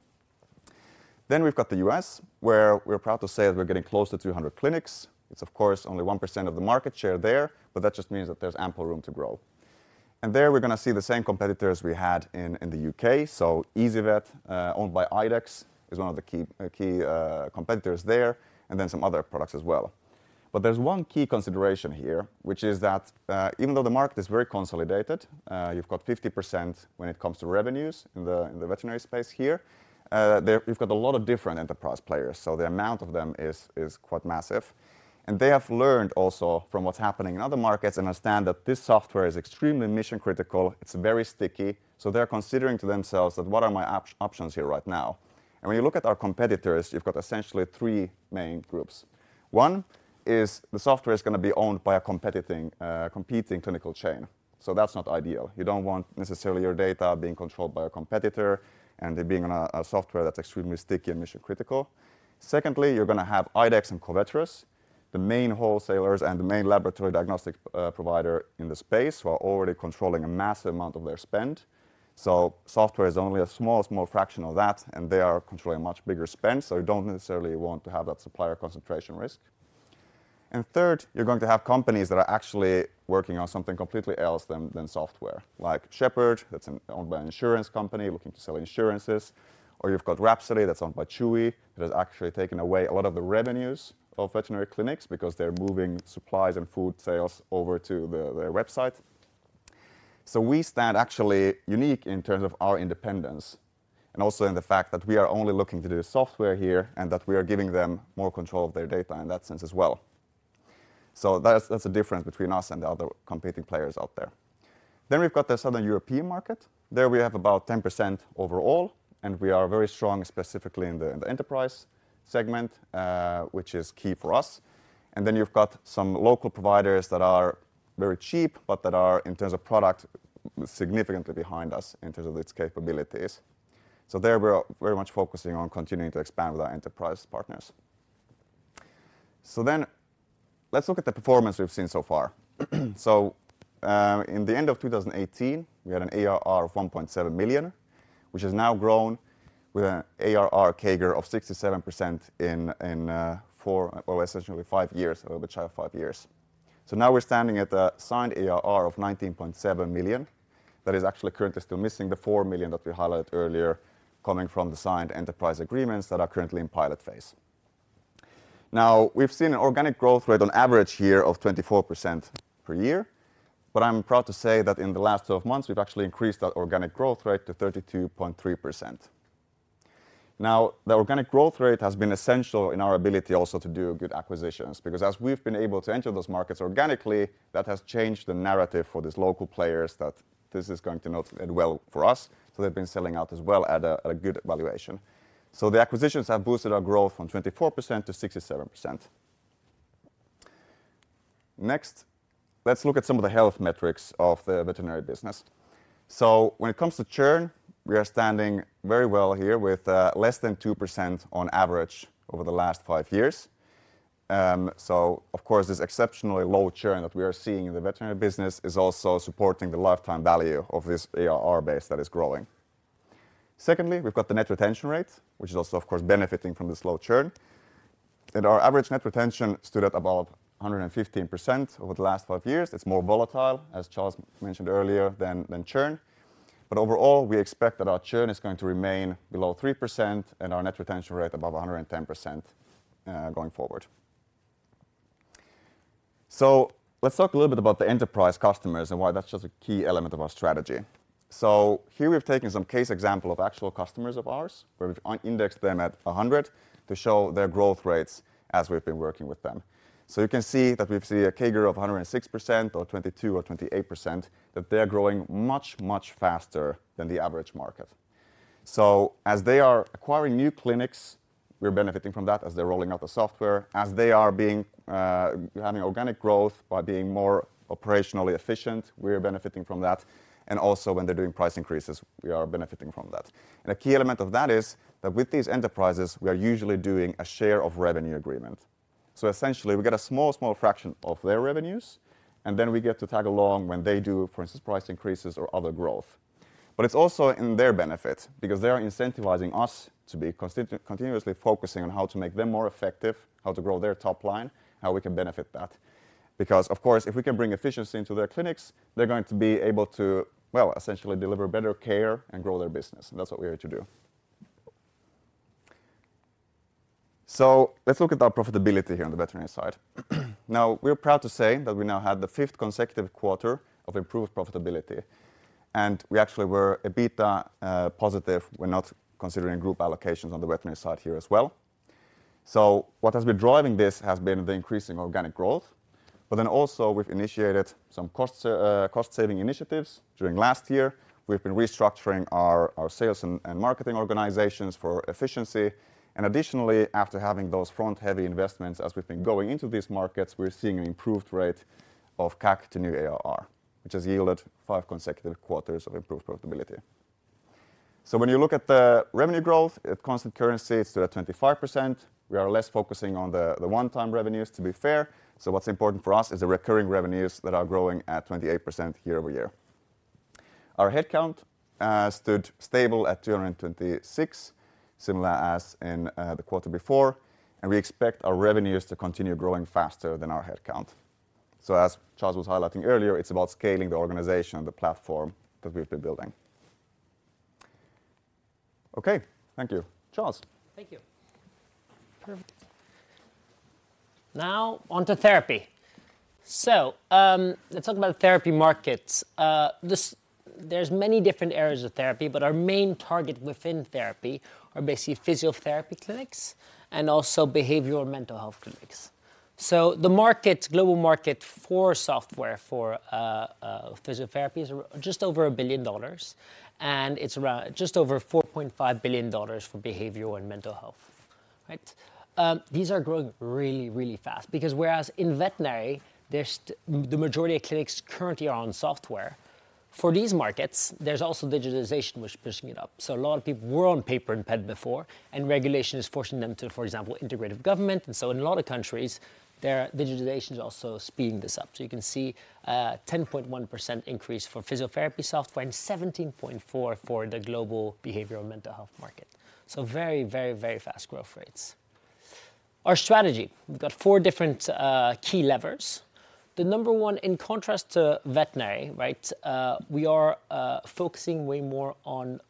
Then we've got the U.S., where we're proud to say that we're getting close to 200 clinics. It's, of course, only 1% of the market share there, but that just means that there's ample room to grow. And there, we're gonna see the same competitors we had in the U.K. So ezyVet, owned by IDEXX, is one of the key competitors there, and then some other products as well. But there's one key consideration here, which is that, even though the market is very consolidated, you've got 50% when it comes to revenues in the veterinary space here, there we've got a lot of different enterprise players, so the amount of them is quite massive. And they have learned also from what's happening in other markets and understand that this software is extremely mission-critical, it's very sticky. So they're considering to themselves that, "What are my options here right now?" And when you look at our competitors, you've got essentially three main groups. One is the software is gonna be owned by a competitive, competing clinical chain, so that's not ideal. You don't want necessarily your data being controlled by a competitor and it being on a software that's extremely sticky and mission-critical. Secondly, you're gonna have IDEXX and Covetrus, the main wholesalers and the main laboratory diagnostic provider in the space, who are already controlling a massive amount of their spend. So software is only a small, small fraction of that, and they are controlling much bigger spend, so you don't necessarily want to have that supplier concentration risk. And third, you're going to have companies that are actually working on something completely else than software, like Shepherd, that's owned by an insurance company looking to sell insurances, or you've got Rhapsody, that's owned by Chewy, that has actually taken away a lot of the revenues of veterinary clinics because they're moving supplies and food sales over to their website. So we stand actually unique in terms of our independence, and also in the fact that we are only looking to do software here, and that we are giving them more control of their data in that sense as well. So that's the difference between us and the other competing players out there. Then we've got the Southern European market. There we have about 10% overall, and we are very strong specifically in the enterprise segment, which is key for us. And then you've got some local providers that are very cheap, but that are, in terms of product, significantly behind us in terms of its capabilities. So there we are very much focusing on continuing to expand with our enterprise partners. So then let's look at the performance we've seen so far. So, in the end of 2018, we had an ARR of 1.7 million, which has now grown with an ARR CAGR of 67% in, in, four, or essentially five years. A little bit shy of five years. So now we're standing at a signed ARR of 19.7 million. That is actually currently still missing the 4 million that we highlighted earlier, coming from the signed enterprise agreements that are currently in pilot phase. Now, we've seen an organic growth rate on average here of 24% per year, but I'm proud to say that in the last 12 months, we've actually increased that organic growth rate to 32.3%. Now, the organic growth rate has been essential in our ability also to do good acquisitions, because as we've been able to enter those markets organically, that has changed the narrative for these local players, that this is going to not end well for us, so they've been selling out as well at a good valuation. So the acquisitions have boosted our growth from 24%-67%. Next, let's look at some of the health metrics of the veterinary business. So when it comes to churn, we are standing very well here, with less than 2% on average over the last five years. So of course, this exceptionally low churn that we are seeing in the veterinary business is also supporting the lifetime value of this ARR base that is growing. Secondly, we've got the net retention rate, which is also, of course, benefiting from this low churn. And our average net retention stood at about 115% over the last five years. It's more volatile, as Charles mentioned earlier, than, than churn. But overall, we expect that our churn is going to remain below 3% and our net retention rate above 110%, going forward. So let's talk a little bit about the enterprise customers and why that's just a key element of our strategy. So here we've taken some case example of actual customers of ours, where we've indexed them at 100, to show their growth rates as we've been working with them. You can see that we've seen a CAGR of 106%, or 22, or 28%, that they're growing much, much faster than the average market. As they are acquiring new clinics, we're benefiting from that as they're rolling out the software. As they are being, having organic growth by being more operationally efficient, we are benefiting from that. And also, when they're doing price increases, we are benefiting from that. And a key element of that is that with these enterprises, we are usually doing a share of revenue agreement. So essentially, we get a small, small fraction of their revenues, and then we get to tag along when they do, for instance, price increases or other growth. But it's also in their benefit because they are incentivizing us to be continuously focusing on how to make them more effective, how to grow their top line, how we can benefit that. Because, of course, if we can bring efficiency into their clinics, they're going to be able to, well, essentially deliver better care and grow their business, and that's what we are here to do. So let's look at our profitability here on the veterinary side. Now, we're proud to say that we now had the fifth consecutive quarter of improved profitability, and we actually were EBITDA positive, when not considering group allocations on the veterinary side here as well. So what has been driving this has been the increasing organic growth, but then also, we've initiated some cost-saving initiatives during last year. We've been restructuring our sales and marketing organizations for efficiency. And additionally, after having those front-heavy investments, as we've been going into these markets, we're seeing an improved rate of CAC to new ARR, which has yielded five consecutive quarters of improved profitability. So when you look at the revenue growth, at constant currency, it's still at 25%. We are less focusing on the one-time revenues, to be fair. So what's important for us is the recurring revenues that are growing at 28% year-over-year. Our headcount stood stable at 226, similar as in the quarter before, and we expect our revenues to continue growing faster than our headcount. As Charles was highlighting earlier, it's about scaling the organization and the platform that we've been building. Okay. Thank you. Charles?
Thank you. Perfect. Now on to therapy. So, let's talk about therapy markets. There's many different areas of therapy, but our main target within therapy are basically physiotherapy clinics and also behavioral mental health clinics. So the market, global market for software for physiotherapy is just over $1 billion, and it's around just over $4.5 billion for behavioral and mental health. Right? These are growing really, really fast because whereas in veterinary, there's the majority of clinics currently are on software. For these markets, there's also digitization, which is pushing it up, so a lot of people were on paper and pen before, and regulation is forcing them to, for example, integrate with government. And so in a lot of countries, their digitization is also speeding this up. So you can see a 10.1% increase for physiotherapy software and 17.4% for the global behavioral mental health market. So very, very, very fast growth rates. Our strategy, we've got four different, key levers. The number one, in contrast to veterinary, right, we are focusing way more on,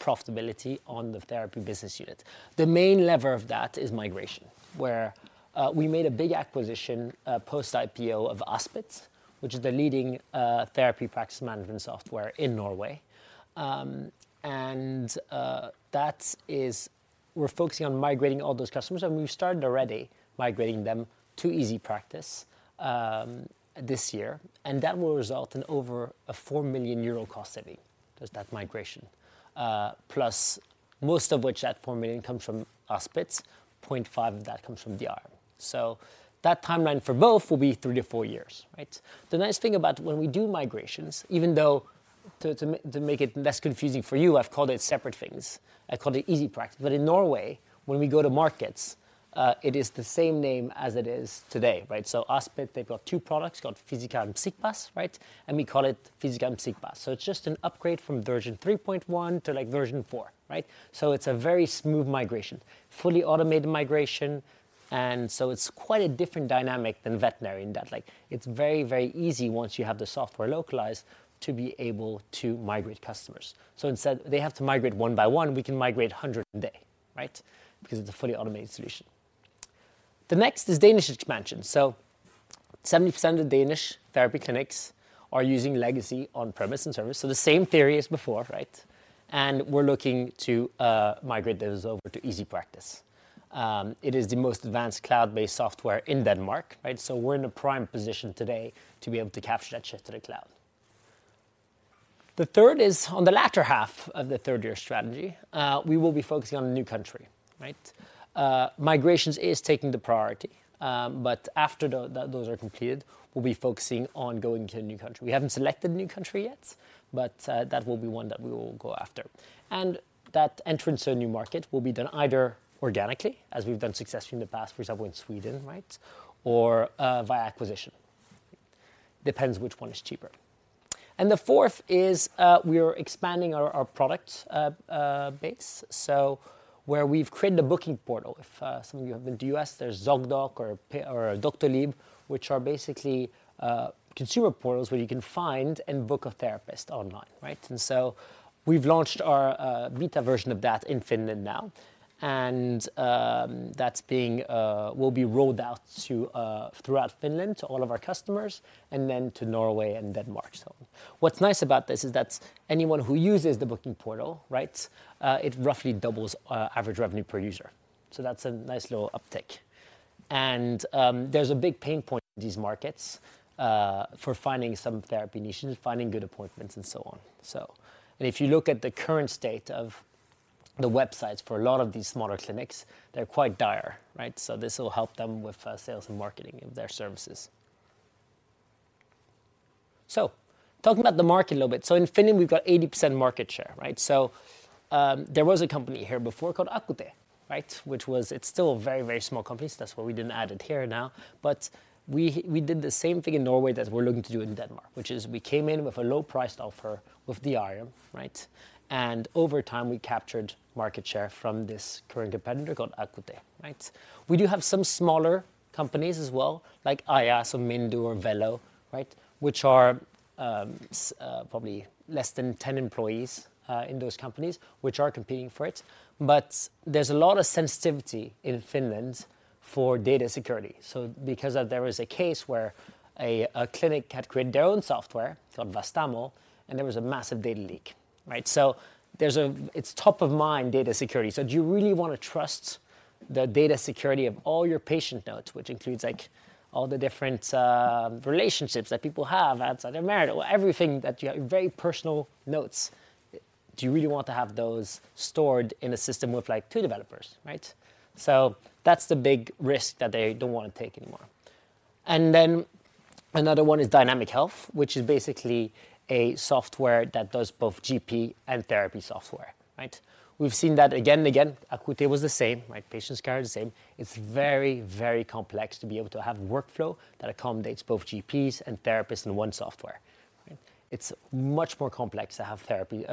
profitability on the therapy business unit. The main lever of that is migration, where, we made a big acquisition, post-IPO of Aspit, which is the leading, therapy practice management software in Norway. And we're focusing on migrating all those customers, and we've started already migrating them to EasyPractice, this year. And that will result in over a 4 million euro cost saving, just that migration. Plus most of which, that 4 million comes from Aspit, 0.5 of that comes from DR. So that timeline for both will be three to four years, right? The nice thing about when we do migrations, even though to make it less confusing for you, I've called it separate things. I called it EasyPractice. But in Norway, when we go to markets, it is the same name as it is today, right? So Aspit, they've got two products called Physica and Psykbase, right? And we call it Physica and Psykbase. So it's just an upgrade from version 3.1 to, like, version 4, right? So it's a very smooth migration, fully automated migration, and so it's quite a different dynamic than veterinary in that, like, it's very, very easy once you have the software localized, to be able to migrate customers. So instead, they have to migrate one by one, we can migrate 100 a day, right? Because it's a fully automated solution. The next is Danish expansion. So 70% of Danish therapy clinics are using legacy on-premise and service. So the same theory as before, right? And we're looking to migrate those over to EasyPractice. It is the most advanced cloud-based software in Denmark, right? So we're in a prime position today to be able to capture that shift to the cloud. The third is on the latter half of the third-year strategy, we will be focusing on a new country, right? Migrations is taking the priority, but after those are completed, we'll be focusing on going to a new country. We haven't selected a new country yet, but that will be one that we will go after. That entrance to a new market will be done either organically, as we've done successfully in the past, for example, in Sweden, right? Or via acquisition. Depends which one is cheaper. The fourth is we are expanding our, our product base, so where we've created a booking portal. If some of you have been to U.S., there's Zocdoc or Doctolib, which are basically consumer portals where you can find and book a therapist online, right? So we've launched our beta version of that in Finland now, and that's being will be rolled out to throughout Finland to all of our customers, and then to Norway and Denmark. What's nice about this is that anyone who uses the booking portal, right, it roughly doubles average revenue per user. So that's a nice little uptick. There's a big pain point in these markets for finding some therapy niches, finding good appointments, and so on. If you look at the current state of the websites for a lot of these smaller clinics, they're quite dire, right? This will help them with sales and marketing of their services. Talking about the market a little bit. In Finland, we've got 80% market share, right? There was a company here before called Acute, right? Which was. It's still a very, very small company, so that's why we didn't add it here now. We did the same thing in Norway that we're looking to do in Denmark, which is we came in with a low-priced offer with DR, right? And over time, we captured market share from this current competitor called Acute, right? We do have some smaller companies as well, like Aya, so Mindo or Velo, right? Which are probably less than 10 employees in those companies, which are competing for it. But there's a lot of sensitivity in Finland for data security. So because of there was a case where a clinic had created their own software called Vastaamo, and there was a massive data leak, right? So there's a—it's top-of-mind data security. So do you really want to trust the data security of all your patient notes, which includes, like, all the different relationships that people have outside their marital, everything that you... very personal notes. Do you really want to have those stored in a system with, like, two developers, right? So that's the big risk that they don't wanna take anymore. And then another one is Dynamic Health, which is basically a software that does both GP and therapy software, right? We've seen that again and again. Acute was the same, right? PatientSky, the same. It's very, very complex to be able to have workflow that accommodates both GPs and therapists in one software. It's much more complex to have therapy,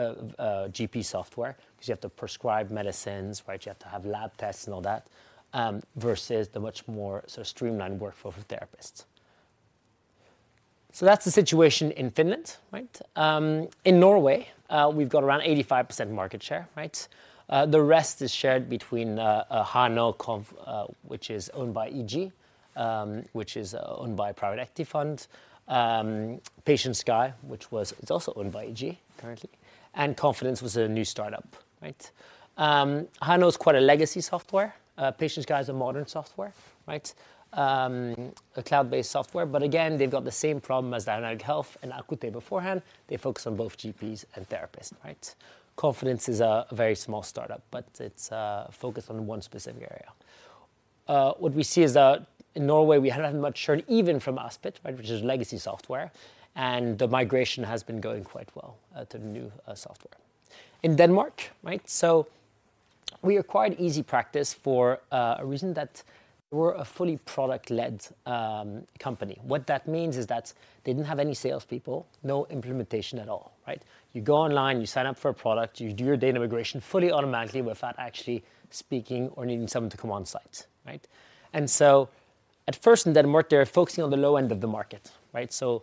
GP software, because you have to prescribe medicines, right? You have to have lab tests and all that, versus the much more sort of streamlined workflow for therapists. So that's the situation in Finland, right? In Norway, we've got around 85% market share, right? The rest is shared between Hano, which is owned by EG, which is owned by Private Equity Fund. PatientSky, which was, it's also owned by EG, currently, and Konfident was a new startup, right? Hano is quite a legacy software. PatientSky is a modern software, right? A cloud-based software, but again, they've got the same problem as Dynamic Health and Acute beforehand. They focus on both GPs and therapists, right? Konfident is a very small startup, but it's focused on one specific area. What we see is that in Norway, we haven't had much churn even from Aspit, right, which is legacy software, and the migration has been going quite well to the new software. In Denmark, right, so we acquired EasyPractice for a reason, that we're a fully product-led company. What that means is that they didn't have any salespeople, no implementation at all, right? You go online, you sign up for a product, you do your data migration fully automatically without actually speaking or needing someone to come on-site, right? At first in Denmark, they were focusing on the low end of the market, right? So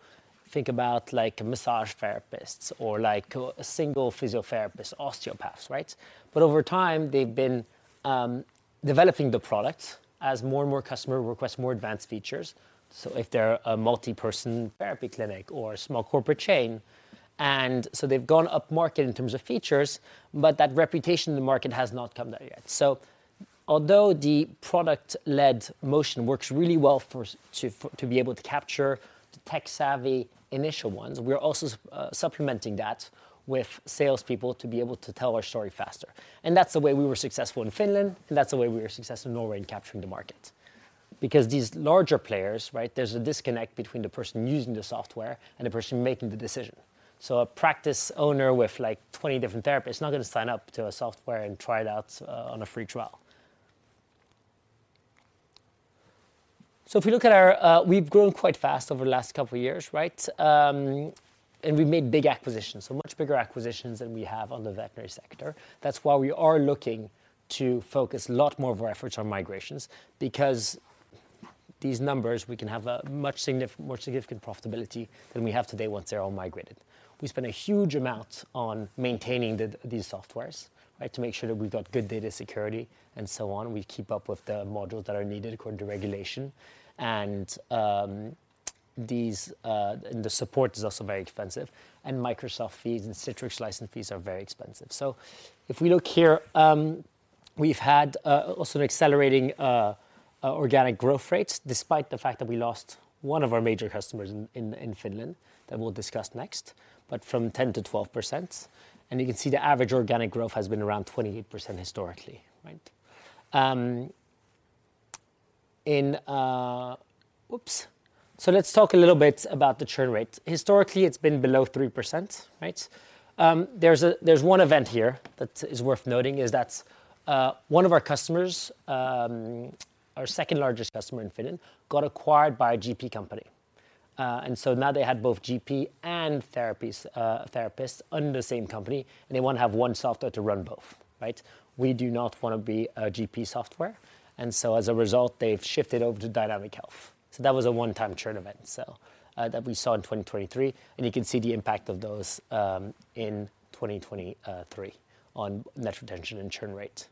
think about like massage therapists or like a single physiotherapist, osteopaths, right? But over time, they've been developing the product as more and more customer request more advanced features. So if they're a multi-person therapy clinic or a small corporate chain, and so they've gone upmarket in terms of features, but that reputation in the market has not come there yet. So although the product-led motion works really well to be able to capture the tech-savvy initial ones, we're also supplementing that with salespeople to be able to tell our story faster. And that's the way we were successful in Finland, and that's the way we were successful in Norway in capturing the market. Because these larger players, right, there's a disconnect between the person using the software and the person making the decision. So a practice owner with, like, 20 different therapists is not gonna sign up to a software and try it out on a free trial. So if we look at our. We've grown quite fast over the last couple of years, right? And we made big acquisitions, so much bigger acquisitions than we have on the veterinary sector. That's why we are looking to focus a lot more of our efforts on migrations, because these numbers, we can have a much more significant profitability than we have today once they're all migrated. We spend a huge amount on maintaining the, these softwares, right? To make sure that we've got good data security and so on. We keep up with the modules that are needed according to regulation, and these. And the support is also very expensive, and Microsoft fees and Citrix license fees are very expensive. So if we look here, we've had also an accelerating organic growth rates, despite the fact that we lost one of our major customers in Finland, that we'll discuss next, but from 10%-12%. And you can see the average organic growth has been around 28% historically, right? So let's talk a little bit about the churn rate. Historically, it's been below 3%, right? There's one event here that is worth noting, is that, one of our customers, our second-largest customer in Finland, got acquired by a GP company. And so now they had both GP and therapies, therapists under the same company, and they want to have one software to run both, right? We do not want to be a GP software, and so as a result, they've shifted over to Dynamic Health. So that was a one-time churn event, so, that we saw in 2023, and you can see the impact of those, in 2023 on net retention and churn rate.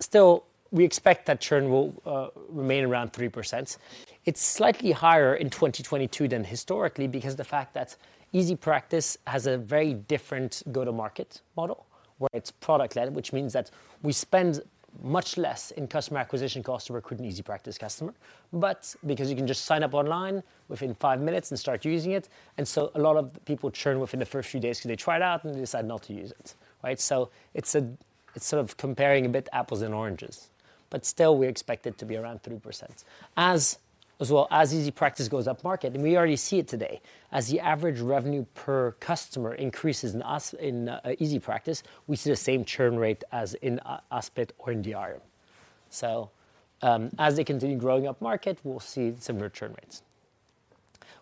Still, we expect that churn will, remain around 3%. It's slightly higher in 2022 than historically, because the fact that EasyPractice has a very different go-to-market model, where it's product-led, which means that we spend much less in customer acquisition costs to recruit an EasyPractice customer. But because you can just sign up online within five minutes and start using it, and so a lot of people churn within the first few days because they try it out and they decide not to use it, right? So it's a, it's sort of comparing a bit apples and oranges, but still, we expect it to be around 3%. As well as EasyPractice goes upmarket, and we already see it today, as the average revenue per customer increases in EasyPractice, we see the same churn rate as in Aspit or in Drim. So, as they continue growing upmarket, we'll see similar churn rates.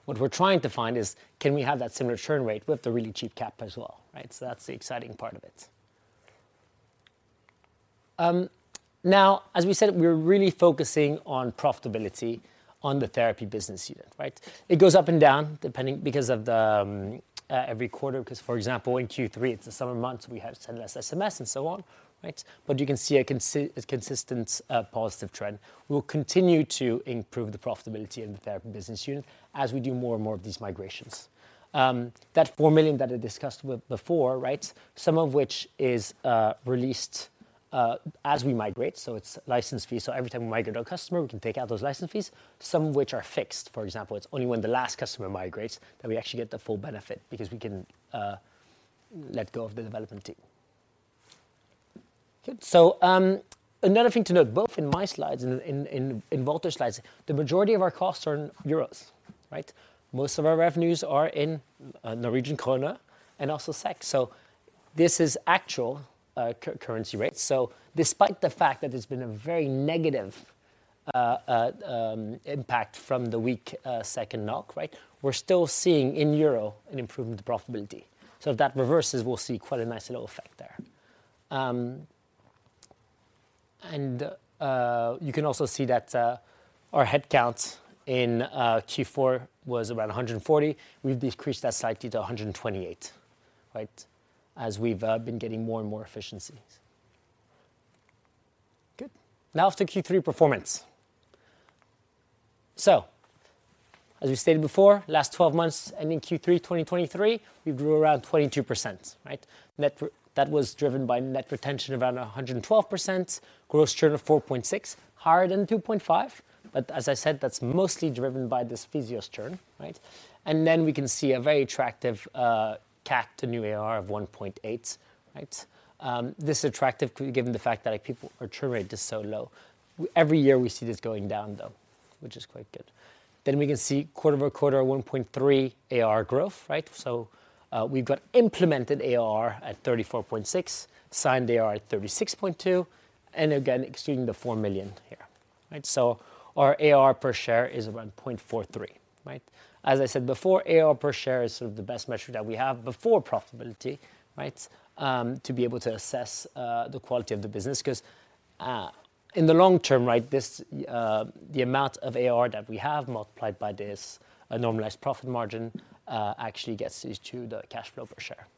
What we're trying to find is, can we have that similar churn rate with the really cheap CAC as well, right? So that's the exciting part of it. Now, as we said, we're really focusing on profitability on the therapy business unit, right? It goes up and down, depending, because of the every quarter, 'cause for example, in Q3, it's the summer months, we have less SMS and so on, right? But you can see a consistent positive trend. We'll continue to improve the profitability in the therapy business unit as we do more and more of these migrations. That 4 million that I discussed with before, right? Some of which is released as we migrate, so it's license fee. So every time we migrate our customer, we can take out those license fees, some of which are fixed. For example, it's only when the last customer migrates that we actually get the full benefit because we can let go of the development team. Good. So, another thing to note, both in my slides and in Valter's slides, the majority of our costs are in euros, right? Most of our revenues are in Norwegian krone and also SEK. So this is actual currency rates. So despite the fact that there's been a very negative impact from the weak SEK and NOK, right, we're still seeing in euro an improvement in profitability. So if that reverses, we'll see quite a nice little effect there. And, you can also see that, our headcount in Q4 was about 140. We've decreased that slightly to 128, right? As we've been getting more and more efficiencies. Good. Now off to Q3 performance. So as we stated before, last twelve months, ending Q3 2023, we grew around 22%, right? That was driven by net retention of around 112%, 112%, gross churn of 4.6%, higher than 2.5%, but as I said, that's mostly driven by this physios churn, right? And then we can see a very attractive CAC to new ARR of 1.8, right? This is attractive given the fact that, like, people, our churn rate is so low. Every year, we see this going down, though, which is quite good. Then we can see quarter-over-quarter 1.3 ARR growth, right? So, we've got implemented ARR at 34.6 million, signed ARR at 36.2 million, and again, excluding the 4 million here, right? So our ARR per share is around 0.43, right? As I said before, ARR per share is sort of the best measure that we have before profitability, right? To be able to assess the quality of the business, 'cause in the long term, right, this, the amount of ARR that we have multiplied by this, a normalized profit margin, actually gets us to the cash flow per share.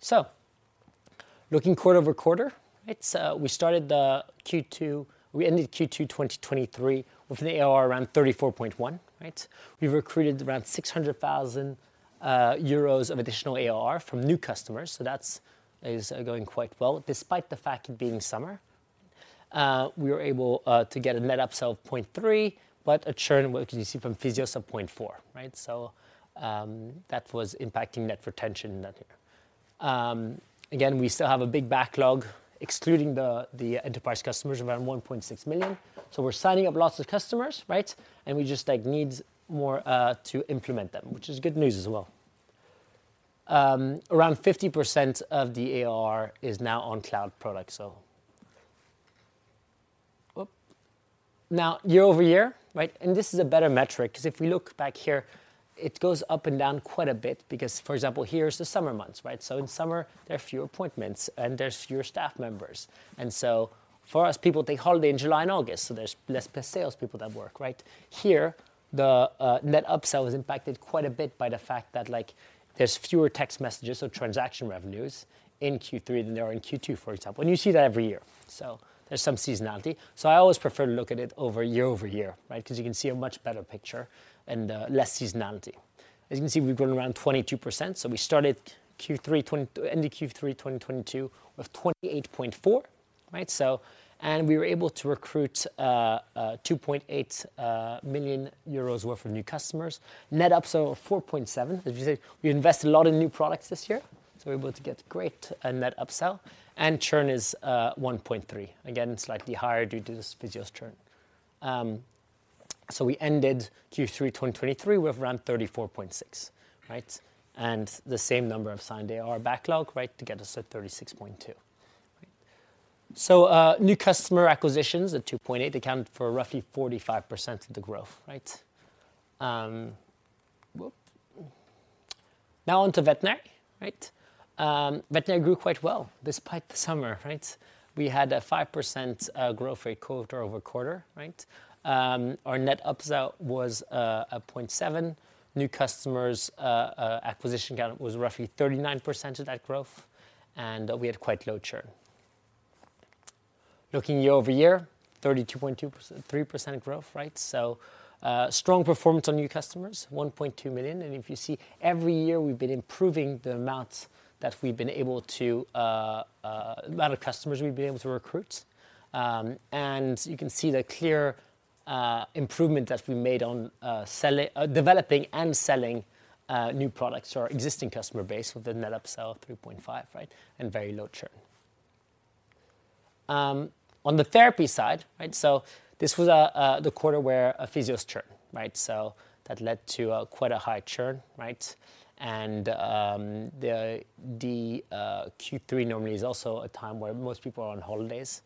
So, looking quarter-over-quarter, right? So we started the Q2—we ended Q2 2023 with an ARR around 34.1 million, right? We recruited around 600,000 euros of additional ARR from new customers, so that's going quite well, despite the fact it being summer. We were able to get a net upsell of 0.3, but a churn, what you see from physios, of 0.4, right? So, that was impacting net retention in that year. Again, we still have a big backlog, excluding the enterprise customers, around 1.6 million. So we're signing up lots of customers, right? And we just, like, need more to implement them, which is good news as well. Around 50% of the ARR is now on cloud product, so... Whoop. Now, year-over-year, right? And this is a better metric, 'cause if we look back here, it goes up and down quite a bit because, for example, here is the summer months, right? So in summer, there are fewer appointments, and there's fewer staff members. And so for us, people take holiday in July and August, so there's less sales people that work, right? Here, the net upsell is impacted quite a bit by the fact that, like, there's fewer text messages, so transaction revenues in Q3 than there are in Q2, for example, and you see that every year. So there's some seasonality. So I always prefer to look at it year-over-year, right? 'Cause you can see a much better picture and less seasonality. As you can see, we've grown around 22%, so we ended Q3 2022 with 28.4 million, right? So, and we were able to recruit 2.8 million euros worth of new customers. Net upsell of 4.7 million. As you see, we invest a lot in new products this year, so we're able to get great net upsell, and churn is 1.3%. Again, slightly higher due to this physio's churn. So we ended Q3 2023 with around 34.6 million, right? And the same number of signed ARR backlog, right, to get us at 36.2 million. So new customer acquisitions at 2.8 million accounted for roughly 45% of the growth, right? Now on to Vetera, right? Vetera grew quite well despite the summer, right? We had a 5% growth rate quarter-over-quarter, right? Our net upsell was 0.7. New customers' acquisition count was roughly 39% of that growth, and we had quite low churn. Looking year-over-year, 32.2%... 3% growth, right? So, strong performance on new customers, 1.2 million, and if you see, every year, we've been improving the amount that we've been able to, the amount of customers we've been able to recruit. And you can see the clear, improvement that we made on, selling, developing and selling, new products to our existing customer base with the net upsell of 3.5, right, and very low churn. On the therapy side, right, so this was, the quarter where a physios churn, right? So that led to, quite a high churn, right? And, the, Q3 normally is also a time where most people are on holidays,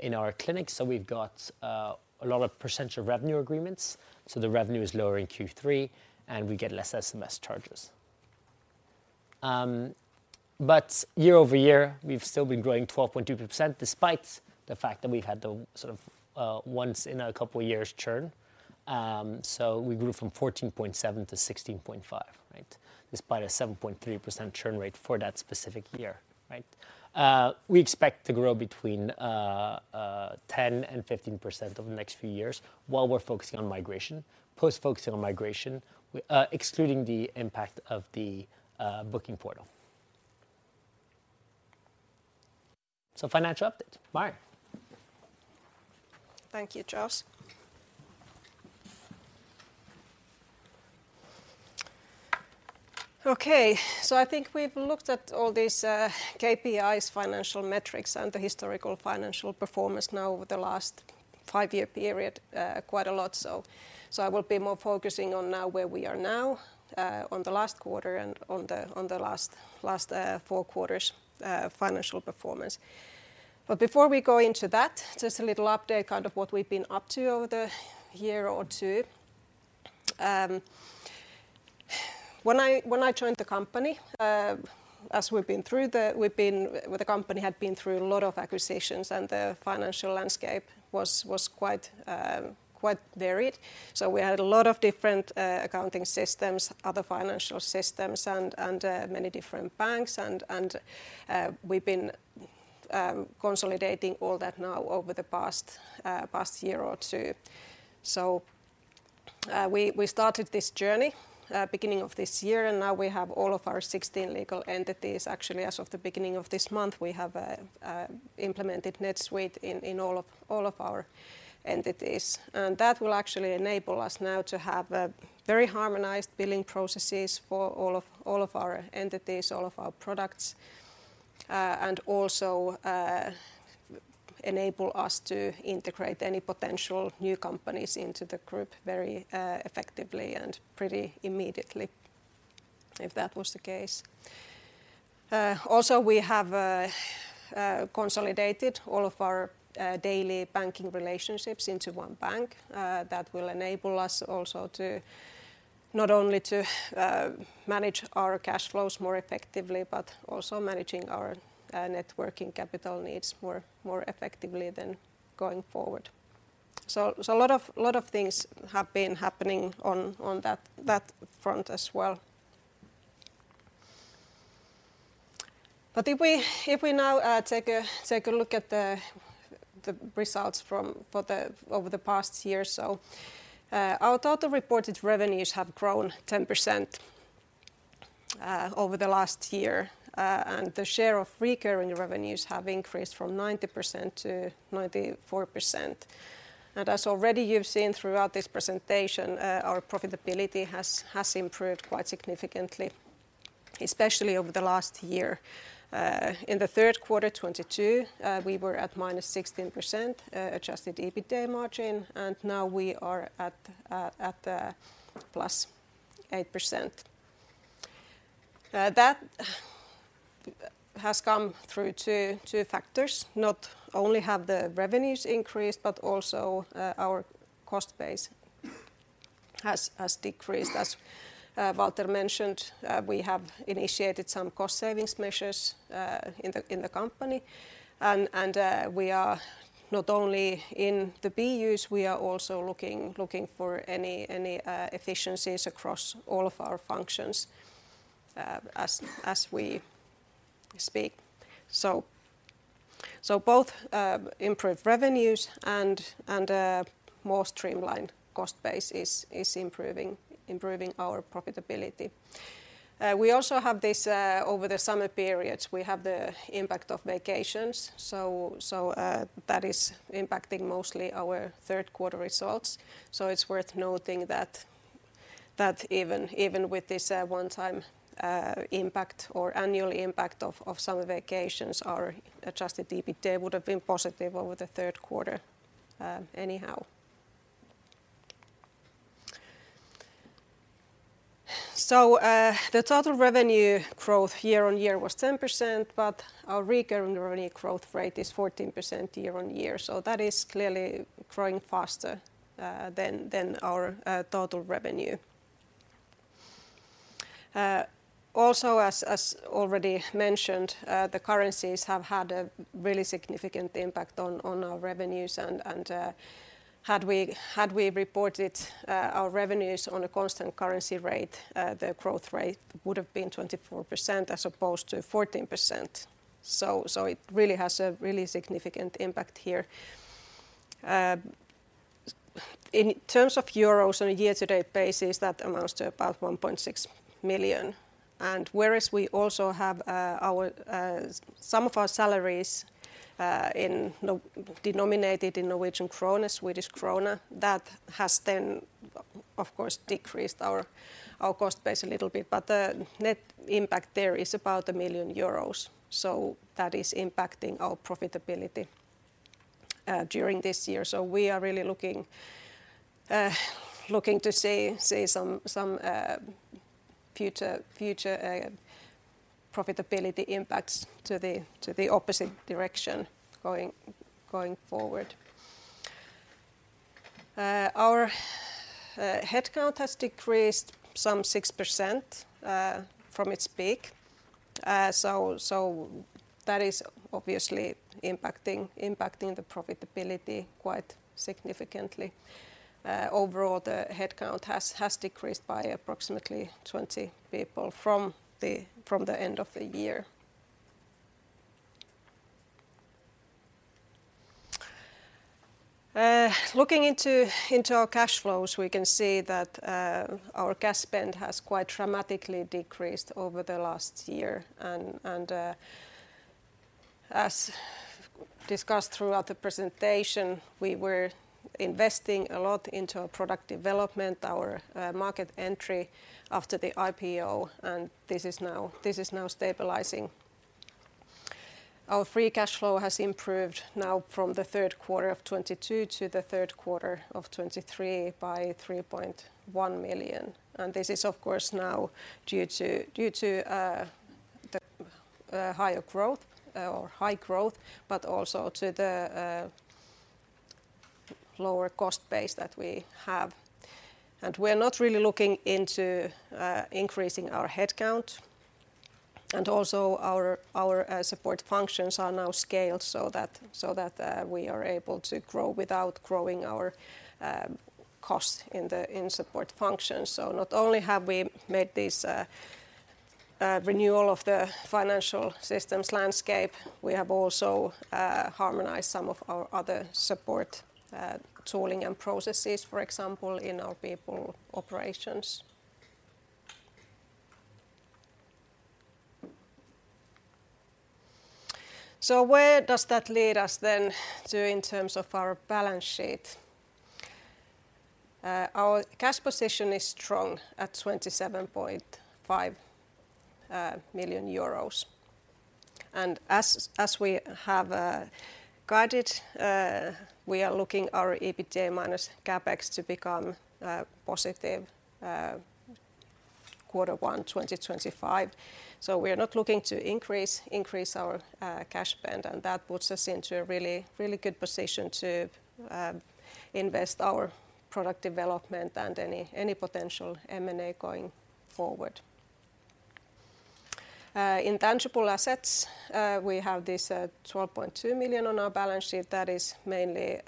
in our clinics, so we've got, a lot of percentage of revenue agreements. So the revenue is lower in Q3, and we get less SMS charges. But year-over-year, we've still been growing 12.2%, despite the fact that we've had the, sort of, once in a couple of years churn. So we grew from 14.7 million to 16.5 million, right? Despite a 7.3% churn rate for that specific year, right? We expect to grow between 10% and 15% over the next few years while we're focusing on migration. Post-focusing on migration, excluding the impact of the booking portal. So financial update. Mari?
Thank you, Charles. Okay, so I think we've looked at all these KPIs, financial metrics, and the historical financial performance now over the last five-year period, quite a lot. So I will be more focusing on now where we are now, on the last quarter and on the last four quarters' financial performance. But before we go into that, just a little update, kind of what we've been up to over the year or two. When I joined the company, as we've been through the—we've been... Well, the company had been through a lot of acquisitions, and the financial landscape was quite varied. So we had a lot of different accounting systems, other financial systems, and many different banks, and we've been consolidating all that now over the past year or two. So we started this journey beginning of this year, and now we have all of our 16 legal entities. Actually, as of the beginning of this month, we have implemented NetSuite in all of our entities. And that will actually enable us now to have very harmonized billing processes for all of our entities, all of our products, and also enable us to integrate any potential new companies into the group very effectively and pretty immediately, if that was the case. Also, we have consolidated all of our daily banking relationships into one bank. That will enable us also to not only to manage our cash flows more effectively, but also managing our working capital needs more effectively going forward. So a lot of things have been happening on that front as well. But if we now take a look at the results for over the past year or so. Our total reported revenues have grown 10% over the last year, and the share of recurring revenues have increased from 90% to 94%. And as already you've seen throughout this presentation, our profitability has improved quite significantly, especially over the last year. In the third quarter 2022, we were at -16% adjusted EBITDA margin, and now we are at +8%. That has come through two factors. Not only have the revenues increased, but also our cost base has decreased. As Valter mentioned, we have initiated some cost savings measures in the company. And we are not only in the BUs, we are also looking for any efficiencies across all of our functions as we speak. So both improved revenues and more streamlined cost base is improving our profitability. We also have this. Over the summer periods, we have the impact of vacations. So that is impacting mostly our third quarter results. So it's worth noting that even with this one-time impact or annual impact of summer vacations, our adjusted EBITDA would've been positive over the third quarter, anyhow. So the total revenue growth year-on-year was 10%, but our recurring revenue growth rate is 14% year-on-year. So that is clearly growing faster than our total revenue. Also, as already mentioned, the currencies have had a really significant impact on our revenues. And had we reported our revenues on a constant currency rate, the growth rate would've been 24% as opposed to 14%. So it really has a really significant impact here. In terms of EUR on a year-to-date basis, that amounts to about 1.6 million. Whereas we also have some of our salaries in NOK denominated in Norwegian krone, Swedish krona, that has then, of course, decreased our cost base a little bit. But the net impact there is about 1 million euros, so that is impacting our profitability during this year. We are really looking to see some future profitability impacts to the opposite direction going forward. Our headcount has decreased some 6% from its peak. So that is obviously impacting the profitability quite significantly. Overall, the headcount has decreased by approximately 20 people from the end of the year. Looking into our cash flows, we can see that our cash spend has quite dramatically decreased over the last year. As discussed throughout the presentation, we were investing a lot into our product development, our market entry after the IPO, and this is now, this is now stabilizing. Our free cash flow has improved now from the third quarter of 2022 to the third quarter of 2023 by 3.1 million. This is, of course, now due to, due to, the higher growth, or high growth, but also to the lower cost base that we have. We're not really looking into increasing our headcount, and also our, our support functions are now scaled, so that, so that we are able to grow without growing our cost in support functions. So not only have we made this renewal of the financial systems landscape, we have also harmonized some of our other support tooling and processes, for example, in our people operations. So where does that lead us then to in terms of our balance sheet? Our cash position is strong at 27.5 million euros. And as we have guided, we are looking our EBITDA minus CapEx to become positive by quarter one, 2025. So we're not looking to increase, increase our cash spend, and that puts us into a really, really good position to invest our product development and any, any potential M&A going forward. Intangible assets, we have this 12.2 million on our balance sheet. That is mainly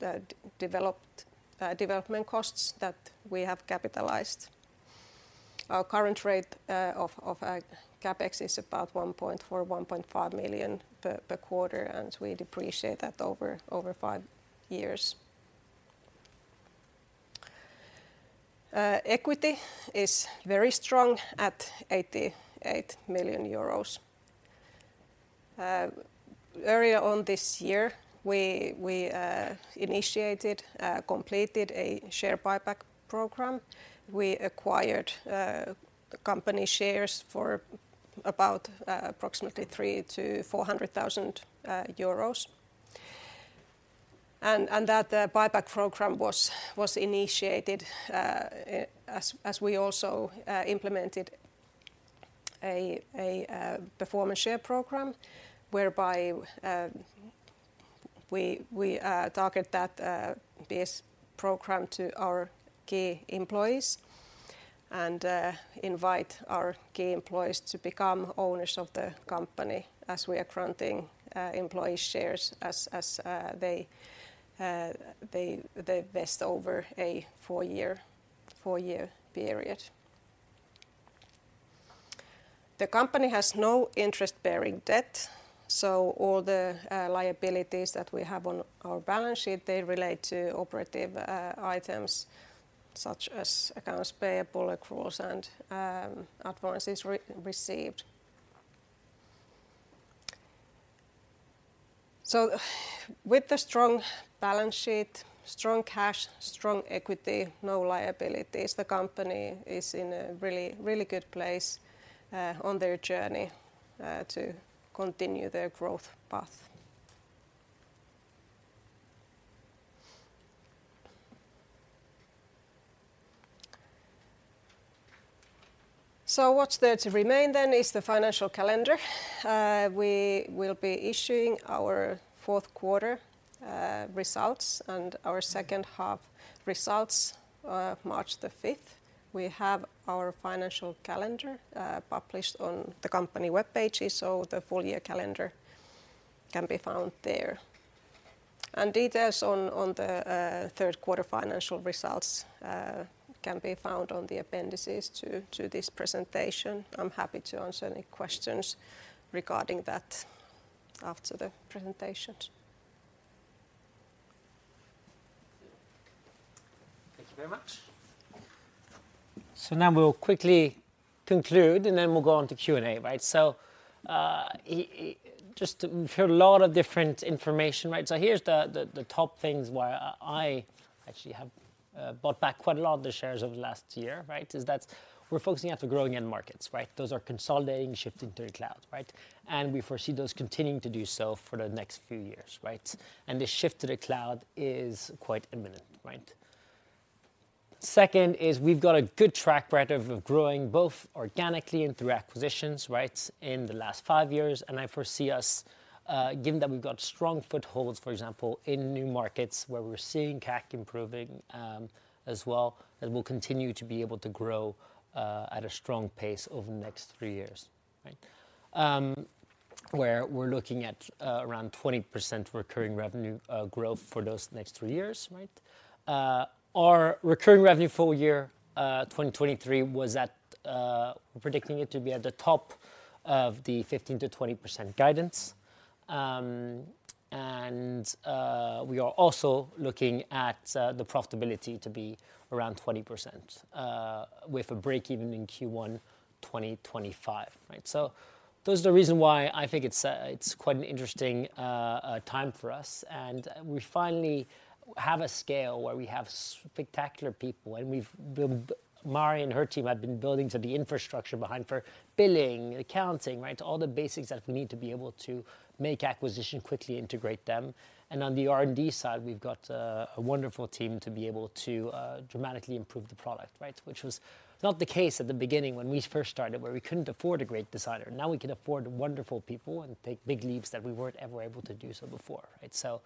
the development costs that we have capitalized. Our current rate of CapEx is about 1.4 million-1.5 million per quarter, and we depreciate that over five years. Equity is very strong at 88 million euros. Earlier on this year, we initiated completed a share buyback program. We acquired the company shares for about approximately EUR 300,000-EUR 400,000. And that buyback program was initiated as we also implemented a performance share program, whereby we target that PS program to our key employees and invite our key employees to become owners of the company as we are granting employee shares as they vest over a four-year period. The company has no interest-bearing debt, so all the liabilities that we have on our balance sheet, they relate to operative items such as accounts payable, accruals, and advances received. So with the strong balance sheet, strong cash, strong equity, no liabilities, the company is in a really good place on their journey to continue their growth path. So what's there to remain then is the financial calendar. We will be issuing our fourth quarter results and our second half results, March the fifth. We have our financial calendar published on the company web pages, so the full-year calendar can be found there. Details on the third quarter financial results can be found on the appendices to this presentation. I'm happy to answer any questions regarding that after the presentation.
Thank you very much. So now we'll quickly conclude, and then we'll go on to Q&A, right? So, just to... We've heard a lot of different information, right? So here's the top things why I actually have bought back quite a lot of the shares over the last year, right, is that we're focusing on the growing end markets, right? Those are consolidating, shifting to the cloud, right? And we foresee those continuing to do so for the next few years, right? And the shift to the cloud is quite imminent, right. Second is we've got a good track record of growing both organically and through acquisitions, right, in the last five years. I foresee us, given that we've got strong footholds, for example, in new markets where we're seeing CAC improving, as well, that we'll continue to be able to grow, at a strong pace over the next three years, right? Where we're looking at, around 20% recurring revenue, growth for those next three years, right? Our recurring revenue full year, 2023, was at... we're predicting it to be at the top of the 15%-20% guidance. And, we are also looking at, the profitability to be around 20%, with a break-even in Q1 2025, right? So those are the reason why I think it's, it's quite an interesting, time for us. And we finally have a scale where we have spectacular people, and we've Mari and her team have been building to the infrastructure behind for billing, accounting, right? All the basics that we need to be able to make acquisition, quickly integrate them. And on the R&D side, we've got a wonderful team to be able to dramatically improve the product, right? Which was not the case at the beginning when we first started, where we couldn't afford a great designer. Now we can afford wonderful people and take big leaps that we weren't ever able to do so before, right? So...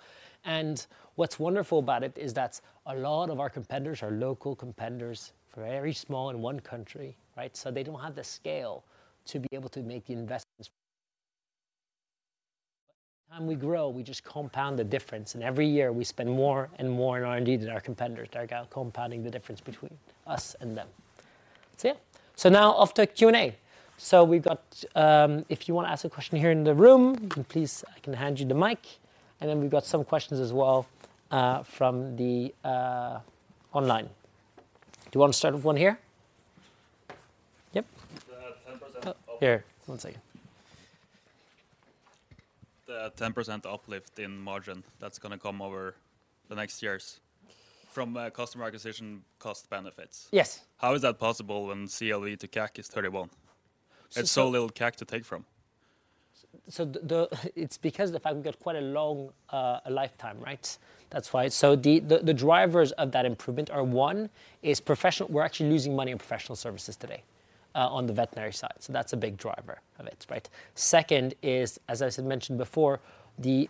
And what's wonderful about it is that a lot of our competitors are local competitors, very small in one country, right? So they don't have the scale to be able to make the investments. Time we grow, we just compound the difference, and every year we spend more and more on R&D than our competitors, thereby compounding the difference between us and them. That's it. So now off to Q&A. So we've got. If you want to ask a question here in the room, you can please. I can hand you the mic. And then we've got some questions as well, from the online. Do you want to start with one here? Yep.
The 10% uplift-
Here, one second.
The 10% uplift in margin, that's gonna come over the next years from customer acquisition cost benefits.
Yes.
How is that possible when LTV to CAC is 31? It's so little CAC to take from.
So it's because the fact we've got quite a long lifetime, right? That's why. So the drivers of that improvement are, one, is professional—we're actually losing money in professional services today on the veterinary side, so that's a big driver of it, right? Second is, as I mentioned before, the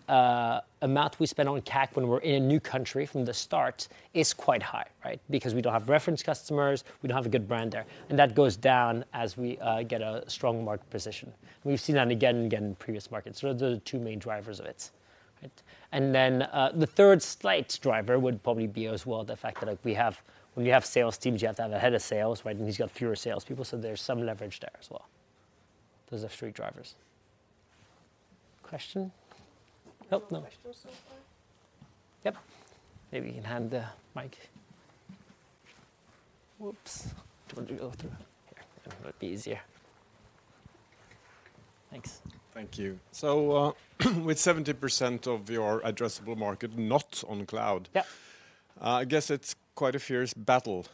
amount we spend on CAC when we're in a new country from the start is quite high, right? Because we don't have reference customers, we don't have a good brand there, and that goes down as we get a strong market position. We've seen that again and again in previous markets. So those are the two main drivers of it, right. And then, the third slight driver would probably be as well the fact that, like, we have. When you have sales teams, you have to have a head of sales, right, and he's got fewer salespeople, so there's some leverage there as well. Those are three drivers. Question? Nope, no question.... so far. Yep. Maybe you can hand the mic. Whoops! Do you want to go through... Here, it might be easier. Thanks.
Thank you. With 70% of your addressable market not on cloud-
Yep...
I guess it's quite a fierce battle.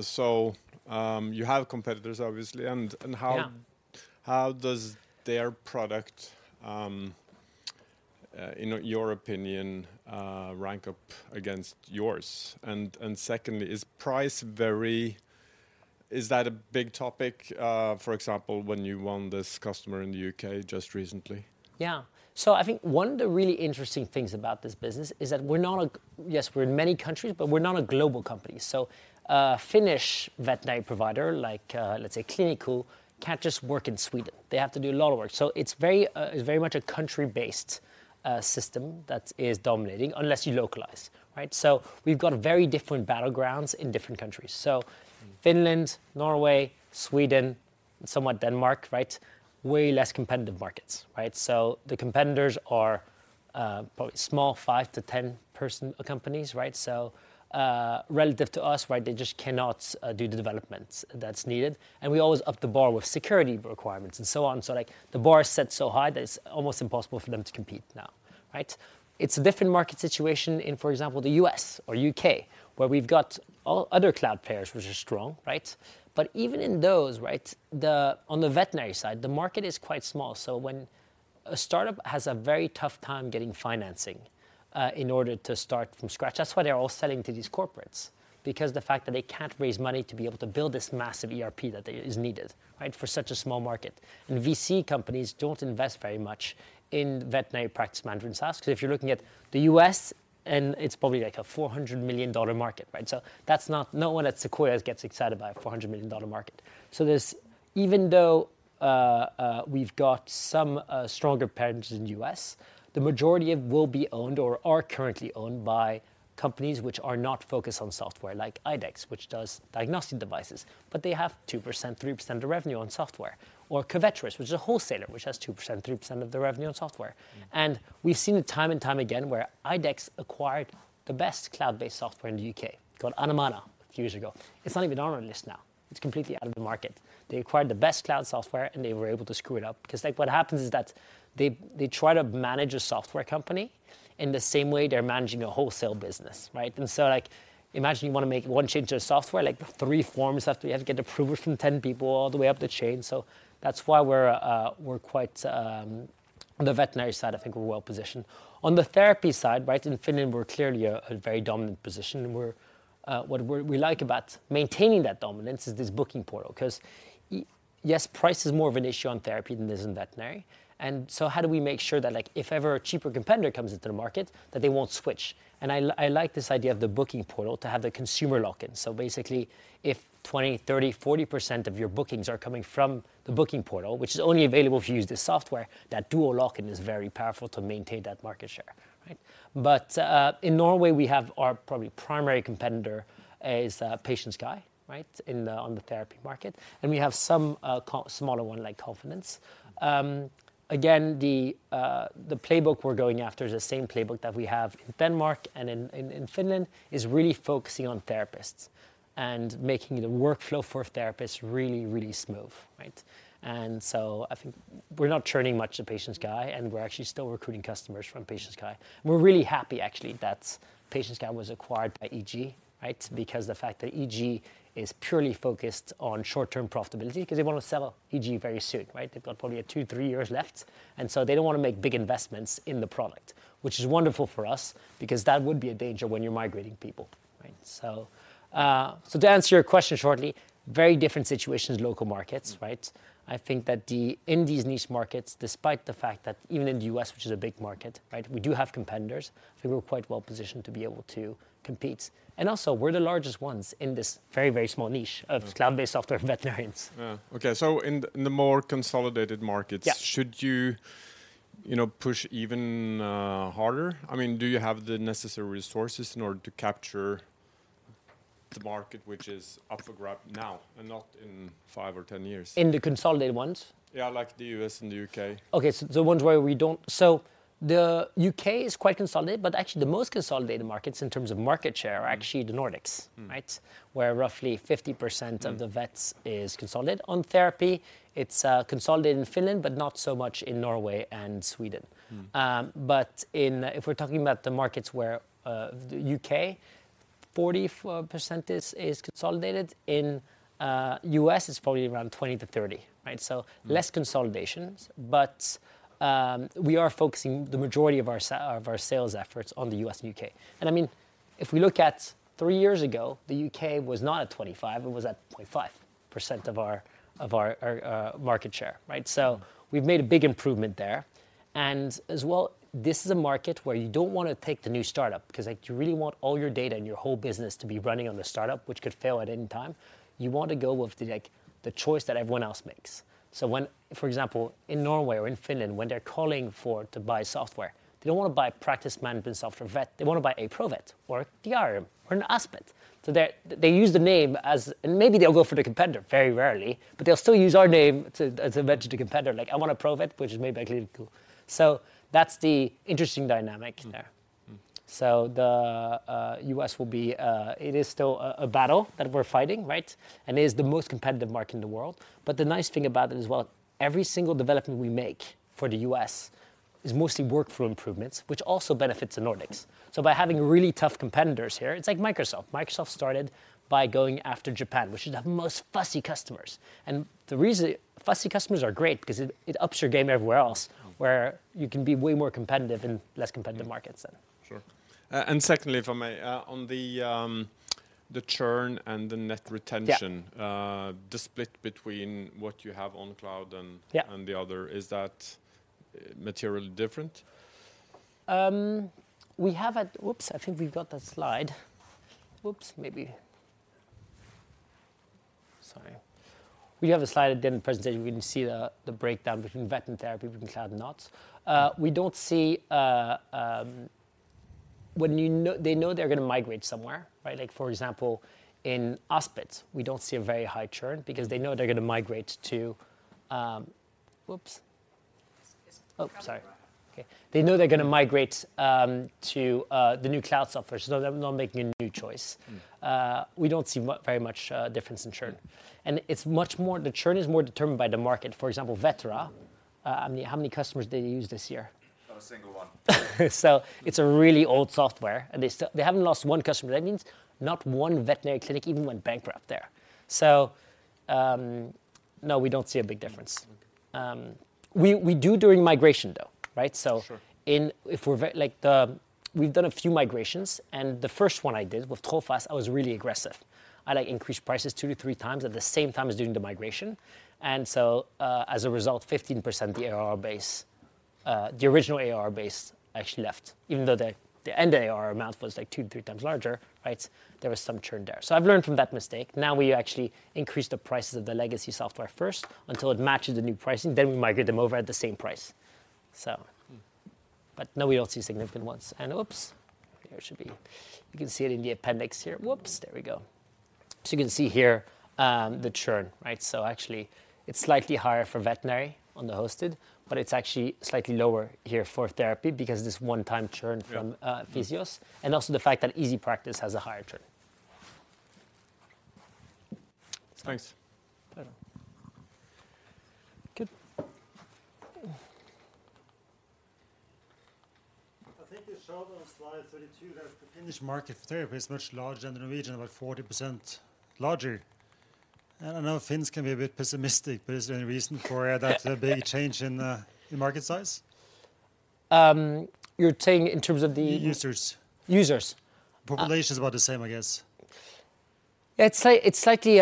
So, you have competitors, obviously, and how-
Yeah...
how does their product, in your opinion, rank up against yours? And secondly, is price very, is that a big topic, for example, when you won this customer in the U.K. just recently?
Yeah. So I think one of the really interesting things about this business is that we're not a... Yes, we're in many countries, but we're not a global company. So, Finnish veterinary provider, like, let's say Klinikka, can't just work in Sweden. They have to do a lot of work. So it's very, it's very much a country-based, system that is dominating unless you localize, right? So we've got very different battlegrounds in different countries. So Finland, Norway, Sweden, somewhat Denmark, right? Way less competitive markets, right? So the competitors are, probably small, five to 10-person companies, right? So, relative to us, right, they just cannot, do the development that's needed. And we always up the bar with security requirements and so on. So, like, the bar is set so high that it's almost impossible for them to compete now, right? It's a different market situation in, for example, the U.S. or U.K., where we've got all other cloud players which are strong, right? But even in those, right, the on the veterinary side, the market is quite small, so when a startup has a very tough time getting financing in order to start from scratch. That's why they're all selling to these corporates, because the fact that they can't raise money to be able to build this massive ERP that they is needed, right, for such a small market. And VC companies don't invest very much in veterinary practice management SaaS. 'Cause if you're looking at the U.S., and it's probably like a $400 million market, right? So that's not no one at Sequoia gets excited about a $400 million market. So there's... Even though we've got some stronger competitors in the U.S., the majority of will be owned or are currently owned by companies which are not focused on software, like IDEXX, which does diagnostic devices, but they have 2%, 3% of the revenue on software. Or Covetrus, which is a wholesaler, which has 2%, 3% of the revenue on software. And we've seen it time and time again where IDEXX acquired the best cloud-based software in the U.K., called Animana, a few years ago. It's not even on our list now. It's completely out of the market. They acquired the best cloud software, and they were able to screw it up. 'Cause, like, what happens is that they try to manage a software company in the same way they're managing a wholesale business, right? And so, like, imagine you want to make one change to a software, like three forms have to, you have to get approval from 10 people all the way up the chain. So that's why we're quite on the veterinary side, I think we're well positioned. On the therapy side, right, in Finland, we're clearly a very dominant position, and we're. What we like about maintaining that dominance is this booking portal, 'cause yes, price is more of an issue on therapy than it is in veterinary. And so how do we make sure that, like, if ever a cheaper competitor comes into the market, that they won't switch? And I like this idea of the booking portal to have the consumer lock-in. So basically, if 20, 30, 40% of your bookings are coming from the booking portal, which is only available if you use this software, that dual lock-in is very powerful to maintain that market share, right? But in Norway, we have our probably primary competitor is PatientSky, right, in the on the therapy market. And we have some smaller ones, like Konfident. Again, the playbook we're going after is the same playbook that we have in Denmark and in Finland, is really focusing on therapists and making the workflow for therapists really, really smooth, right? And so I think we're not churning much to PatientSky, and we're actually still recruiting customers from PatientSky. We're really happy, actually, that PatientSky was acquired by EG, right? Because the fact that EG is purely focused on short-term profitability, 'cause they want to sell EG very soon, right? They've got probably two, three years left, and so they don't want to make big investments in the product, which is wonderful for us because that would be a danger when you're migrating people, right? So, so to answer your question shortly, very different situations, local markets, right?
Mm.
I think that in these niche markets, despite the fact that even in the U.S., which is a big market, right, we do have competitors, I think we're quite well positioned to be able to compete. And also, we're the largest ones in this very, very small niche-
Okay...
of cloud-based software veterinarians.
Yeah. Okay, so in the more consolidated markets-
Yeah...
should you, you know, push even harder? I mean, do you have the necessary resources in order to capture the market, which is up for grabs now, and not in five or 10 years?
In the consolidated ones?
Yeah, like the U.S. and the U.K.
Okay, so the ones where we don't... So the U.K. is quite consolidated, but actually the most consolidated markets in terms of market share are actually the Nordics-
Mm...
right? Where roughly 50% of the-
Mm...
vets is consolidated. On therapy, it's consolidated in Finland, but not so much in Norway and Sweden.
Mm.
But in, if we're talking about the markets where the U.K. 40% is consolidated. In U.S., it's probably around 20%-30%, right?
Mm.
So less consolidations, but we are focusing the majority of our sales efforts on the U.S. and U.K. And, I mean, if we look at three years ago, the U.K. was not at 25, it was at 0.5% of our market share, right? So we've made a big improvement there, and as well, this is a market where you don't wanna take the new startup, 'cause, like, you really want all your data and your whole business to be running on the startup, which could fail at any time. You want to go with the, like, the choice that everyone else makes. So when, for example, in Norway or in Finland, when they're calling for to buy software, they don't wanna buy practice management software, Vet, they wanna buy a Provet or a DR or an Aspit. So they use the name as... And maybe they'll go for the competitor, very rarely, but they'll still use our name to, as a venture to competitor, like, "I want a Provet," which is made by Clinical. So that's the interesting dynamic there.
Mm. Mm.
So the U.S. will be... It is still a battle that we're fighting, right? It is the most competitive market in the world. But the nice thing about it is, well, every single development we make for the U.S. is mostly workflow improvements, which also benefits the Nordics. So by having really tough competitors here, it's like Microsoft. Microsoft started by going after Japan, which is the most fussy customers. And the reason fussy customers are great, because it ups your game everywhere else-
Mm...
where you can be way more competitive-
Yeah...
in less competitive markets then.
Sure. And secondly, if I may, on the churn and the net retention-
Yeah...
the split between what you have on cloud and-
Yeah...
and the other, is that materially different?
We have a-- Oops! I think we've got that slide. Oops, maybe... Sorry. We have a slide at the end of presentation where you can see the breakdown between vet and therapy, between cloud and not. We don't see when you know-- they know they're gonna migrate somewhere, right? Like, for example, in Aspit, we don't see a very high churn because they know they're gonna migrate to... Whoops.
It's coming up.
Oh, sorry. Okay. They know they're gonna migrate to the new cloud software, so they're not making a new choice.
Mm.
We don't see much, very much, difference in churn. It's much more the churn is more determined by the market. For example, Vetera, I mean, how many customers did you use this year?
Not a single one.
So it's a really old software, and they still, they haven't lost one customer. That means not one veterinary clinic even went bankrupt there. So, no, we don't see a big difference.
Mm.
We do during migration, though, right? So-
Sure.
We've done a few migrations, and the first one I did with Trofast, I was really aggressive. I, like, increased prices two to three times at the same time as doing the migration, and so, as a result, 15%, the ARR base, the original ARR base actually left, even though the end ARR amount was, like, 2-3 times larger, right? There was some churn there. So I've learned from that mistake. Now, we actually increase the prices of the legacy software first until it matches the new pricing, then we migrate them over at the same price. So-
Mm.
But no, we don't see significant ones. And oops, there should be... You can see it in the appendix here. Whoops, there we go. So you can see here, the churn, right? So actually, it's slightly higher for veterinary on the hosted, but it's actually slightly lower here for therapy because of this one-time churn from-
Yeah...
physios, and also the fact that EasyPractice has a higher churn.
Thanks.
Yeah. Good.
I think you showed on slide 32 that the Finnish market therapy is much larger than the Norwegian, about 40% larger. And I know Finns can be a bit pessimistic, but is there any reason for that big change in market size?
You're saying in terms of the-
Users.
Users? Uh-
Population is about the same, I guess.
It's slightly,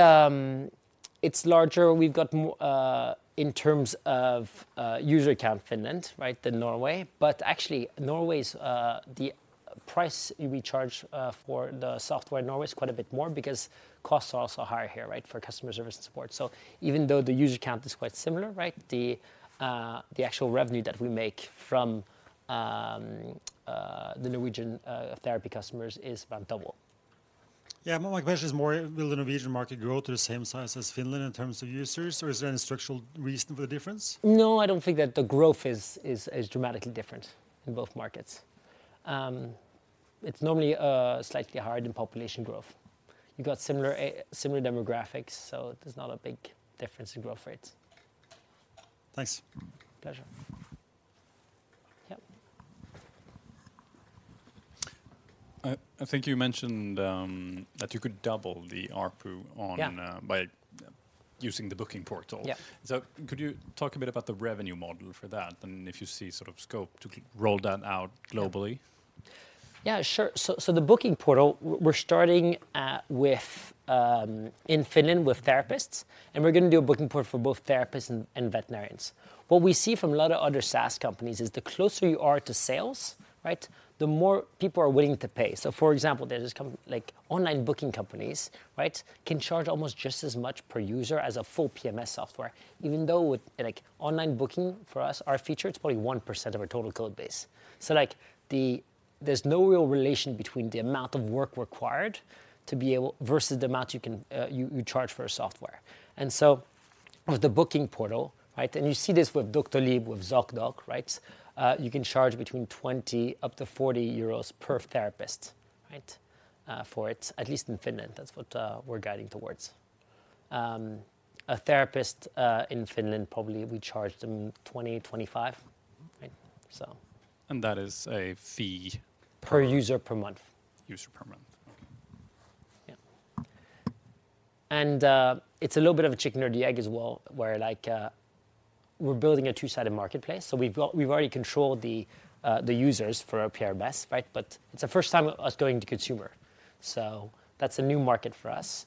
it's larger. We've got more, in terms of, user count, Finland, right, than Norway. But actually, Norway's, the price we charge, for the software in Norway is quite a bit more because costs are also higher here, right, for customer service and support. So even though the user count is quite similar, right, the, the actual revenue that we make from, the Norwegian, therapy customers is about double.
Yeah, but my question is more, will the Norwegian market grow to the same size as Finland in terms of users, or is there any structural reason for the difference?
No, I don't think that the growth is dramatically different in both markets. It's normally slightly higher than population growth. You got similar, similar demographics, so there's not a big difference in growth rates.
Thanks.
Pleasure. Yep.
I think you mentioned that you could double the ARPU on-
Yeah...
by using the booking portal.
Yeah.
Could you talk a bit about the revenue model for that, and if you see sort of scope to roll that out globally?
Yeah, sure. So the booking portal, we're starting in Finland with therapists, and we're gonna do a booking portal for both therapists and veterinarians. What we see from a lot of other SaaS companies is the closer you are to sales, right, the more people are willing to pay. So for example, there's this like online booking companies, right, can charge almost just as much per user as a full PMS software, even though with like online booking for us, our feature, it's probably 1% of our total code base. So like there's no real relation between the amount of work required to be able versus the amount you can you charge for a software. And so with the booking portal, right? And you see this with Doctolib, with Zocdoc, right? You can charge between 20- 40 euros per therapist, right, for it, at least in Finland. That's what we're guiding towards.... A therapist in Finland, probably we charge them 20- 25, right? So-
That is a fee?
Per user per month.
User per month. Okay.
Yeah. And, it's a little bit of a chicken or the egg as well, where like, we're building a two-sided marketplace. So we've got- we've already controlled the, the users for our PMS, right? But it's the first time us going to consumer. So that's a new market for us,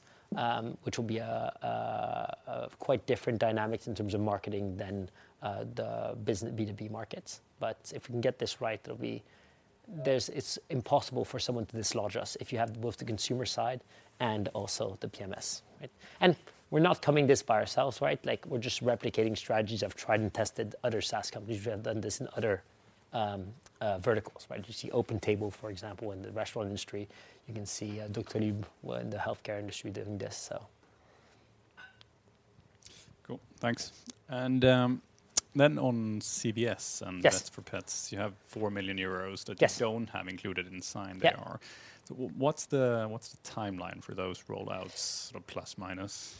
which will be a, quite different dynamics in terms of marketing than, the business B2B markets. But if we can get this right, it'll be it's impossible for someone to dislodge us if you have both the consumer side and also the PMS, right? And we're not coming this by ourselves, right? Like, we're just replicating strategies of tried and tested other SaaS companies who have done this in other, verticals, right? You see OpenTable, for example, in the restaurant industry. You can see, Doctolib in the healthcare industry doing this, so...
Cool, thanks. And, then on CVS-
Yes...
and Vets for Pets, you have 4 million euros-
Yes...
that you don't have included in sign they are.
Yeah.
So, what's the, what's the timeline for those rollouts, sort of plus, minus?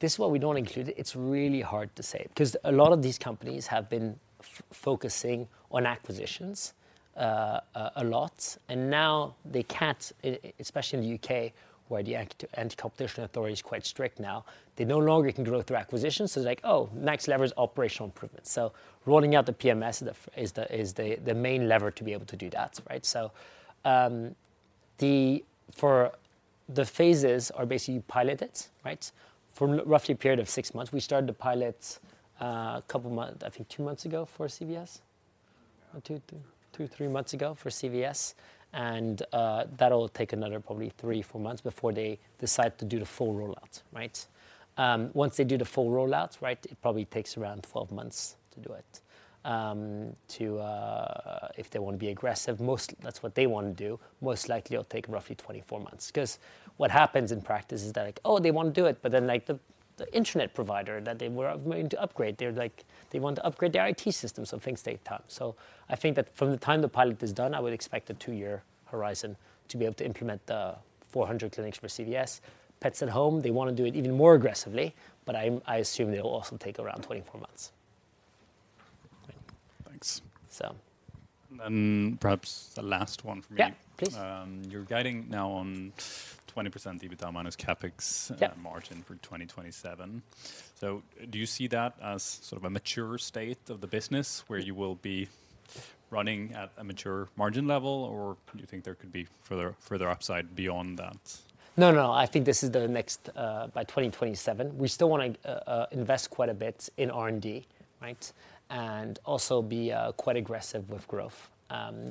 This is what we don't include. It's really hard to say, 'cause a lot of these companies have been focusing on acquisitions a lot, and now they can't, especially in the U.K., where the anti-competition authority is quite strict now. They no longer can grow through acquisitions, so it's like, oh, next level is operational improvement. So rolling out the PMS is the main lever to be able to do that, right? So the phases are basically piloted, right? For roughly a period of six months. We started to pilot a couple of months ago, I think two months ago for CVS? Or two or three months ago for CVS, and that'll take another probably three or four months before they decide to do the full rollout, right? Once they do the full rollout, right, it probably takes around 12 months to do it. If they want to be aggressive, most that's what they want to do, most likely it'll take roughly 24 months. 'Cause what happens in practice is they're like, "Oh, they want to do it," but then, like, the internet provider that they were going to upgrade, they're like, they want to upgrade their IT system, so things take time. So I think that from the time the pilot is done, I would expect a two-year horizon to be able to implement the 400 clinics for CVS. Pets at Home, they want to do it even more aggressively, but I assume it'll also take around 24 months.
Great. Thanks.
So-
Perhaps the last one for me.
Yeah, please.
You're guiding now on 20% EBITDA minus CapEx-
Yeah...
margin for 2027. So do you see that as sort of a mature state of the business, where you will be running at a mature margin level, or do you think there could be further, further upside beyond that?
No, no, no. I think this is the next, by 2027, we still wanna invest quite a bit in R&D, right? And also be quite aggressive with growth.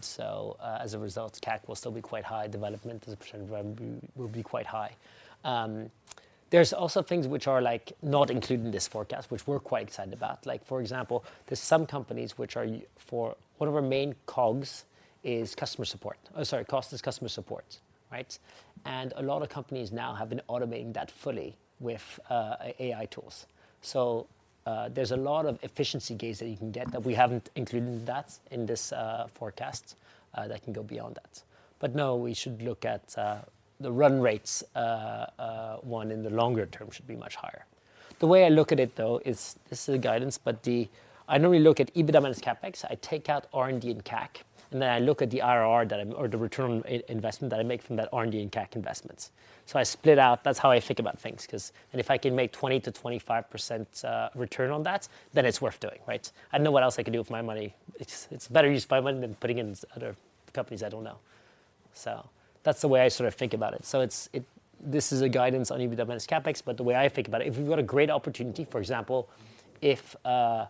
So, as a result, CAC will still be quite high. Development as a percentage of revenue will be quite high. There's also things which are, like, not included in this forecast, which we're quite excited about. Like, for example, there's some companies which are for one of our main cogs is customer support. Sorry, cost is customer support, right? And a lot of companies now have been automating that fully with AI tools. So, there's a lot of efficiency gains that you can get that we haven't included that in this forecast, that can go beyond that. But no, we should look at the run rates, one in the longer term should be much higher. The way I look at it, though, is this is the guidance, but the... I normally look at EBITDA minus CapEx. I take out R&D and CAC, and then I look at the IRR or the return on investment that I make from that R&D and CAC investments. So I split out, that's how I think about things, 'cause and if I can make 20%-25% return on that, then it's worth doing, right? I don't know what else I can do with my money. It's better use of my money than putting it in other companies I don't know. So that's the way I sort of think about it. So it's this is a guidance on EBITDA minus CapEx, but the way I think about it, if we've got a great opportunity, for example, if a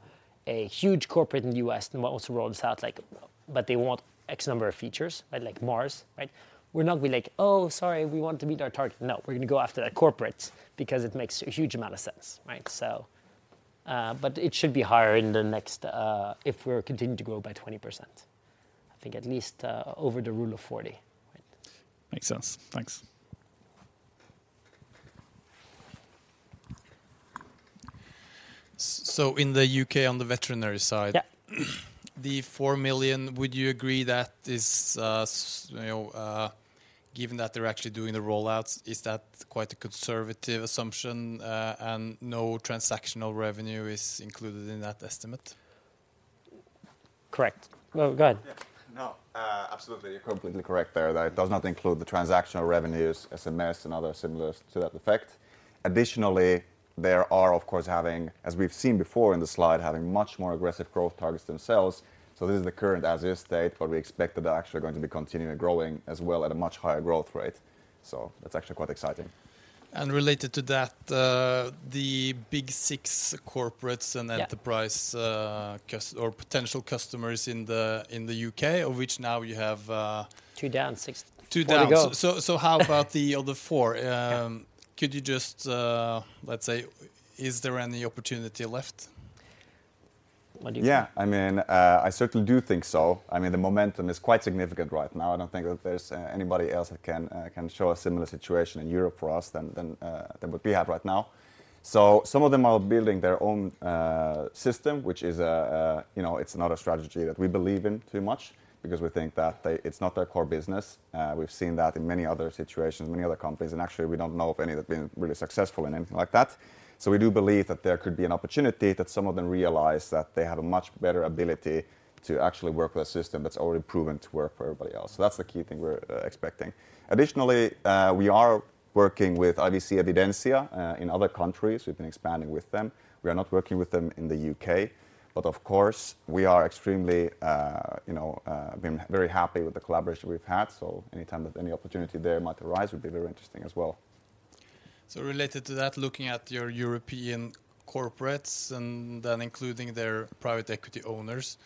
huge corporate in the U.S., and what also rolls out, like, but they want X number of features, right, like Mars, right? We're not gonna be like, "Oh, sorry, we want to meet our target." No, we're gonna go after that corporate because it makes a huge amount of sense, right? So, but it should be higher in the next, if we're continuing to grow by 20%. I think at least over the rule of 40, right?
Makes sense. Thanks.
So in the U.K., on the veterinary side-
Yeah.
The 4 million, would you agree that is, you know, given that they're actually doing the rollouts, is that quite a conservative assumption, and no transactional revenue is included in that estimate?
Correct. Well, go ahead.
Yeah. No, absolutely. You're completely correct there, that it does not include the transactional revenues, SMS, and other similar to that effect. Additionally, there are, of course, having, as we've seen before in the slide, having much more aggressive growth targets themselves. So this is the current as-is state, but we expect that they're actually going to be continuing growing as well at a much higher growth rate. So that's actually quite exciting.
And related to that, the big six corporates and-
Yeah...
enterprise customers or potential customers in the U.K., of which now you have
2 down, 6-
Two down.
Way to go.
So, how about the other four?
Yeah.
Could you just, let's say, is there any opportunity left?
What do you think?
Yeah, I mean, I certainly do think so. I mean, the momentum is quite significant right now. I don't think that there's anybody else that can show a similar situation in Europe for us than what we have right now. So some of them are building their own system, which is, you know, it's not a strategy that we believe in too much because we think that they—it's not their core business. We've seen that in many other situations, many other companies, and actually, we don't know of any that have been really successful in anything like that. So we do believe that there could be an opportunity that some of them realize that they have a much better ability to actually work with a system that's already proven to work for everybody else. So that's the key thing we're expecting. Additionally, we are working with IVC Evidensia in other countries. We've been expanding with them. We are not working with them in the U.K., but of course, we are extremely, you know, been very happy with the collaboration we've had. So anytime that any opportunity there might arise would be very interesting as well.
So related to that, looking at your European corporates, and then including their private equity owners,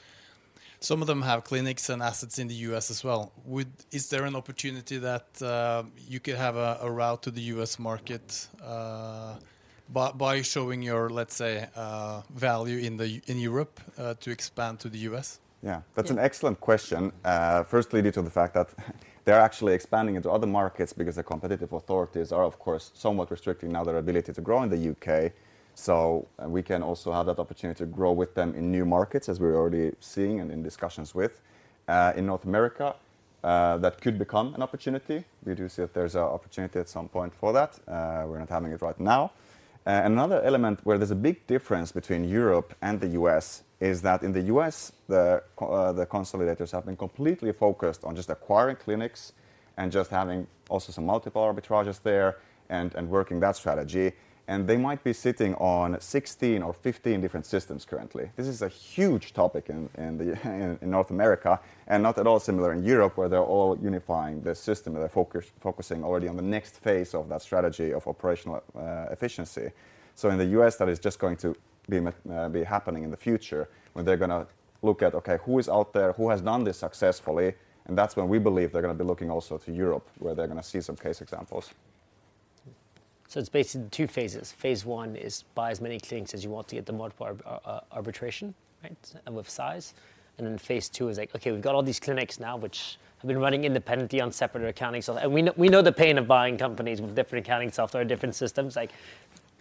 some of them have clinics and assets in the U.S. as well. Is there an opportunity that you could have a route to the U.S. market by showing your, let's say, value in Europe to expand to the U.S.?
Yeah.
Yeah.
That's an excellent question. Firstly, due to the fact that they're actually expanding into other markets because the competitive authorities are, of course, somewhat restricting now their ability to grow in the U.K. So we can also have that opportunity to grow with them in new markets, as we're already seeing and in discussions with. In North America, that could become an opportunity. We do see that there's an opportunity at some point for that. We're not having it right now. Another element where there's a big difference between Europe and the U.S., is that in the U.S., the consolidators have been completely focused on just acquiring clinics and just having also some multiple arbitrages there and, and working that strategy. And they might be sitting on 16 or 15 different systems currently. This is a huge topic in North America, and not at all similar in Europe, where they're all unifying the system, and they're focusing already on the next phase of that strategy of operational efficiency. So in the U.S., that is just going to be happening in the future, when they're gonna look at, "Okay, who is out there? Who has done this successfully?" And that's when we believe they're gonna be looking also to Europe, where they're gonna see some case examples.
So it's basically two phases. Phase one is buy as many clinics as you want to get the multiple arbitrage, right, of size. And then phase two is like, "Okay, we've got all these clinics now, which have been running independently on separate accounting software." And we know, we know the pain of buying companies with different accounting software and different systems, like,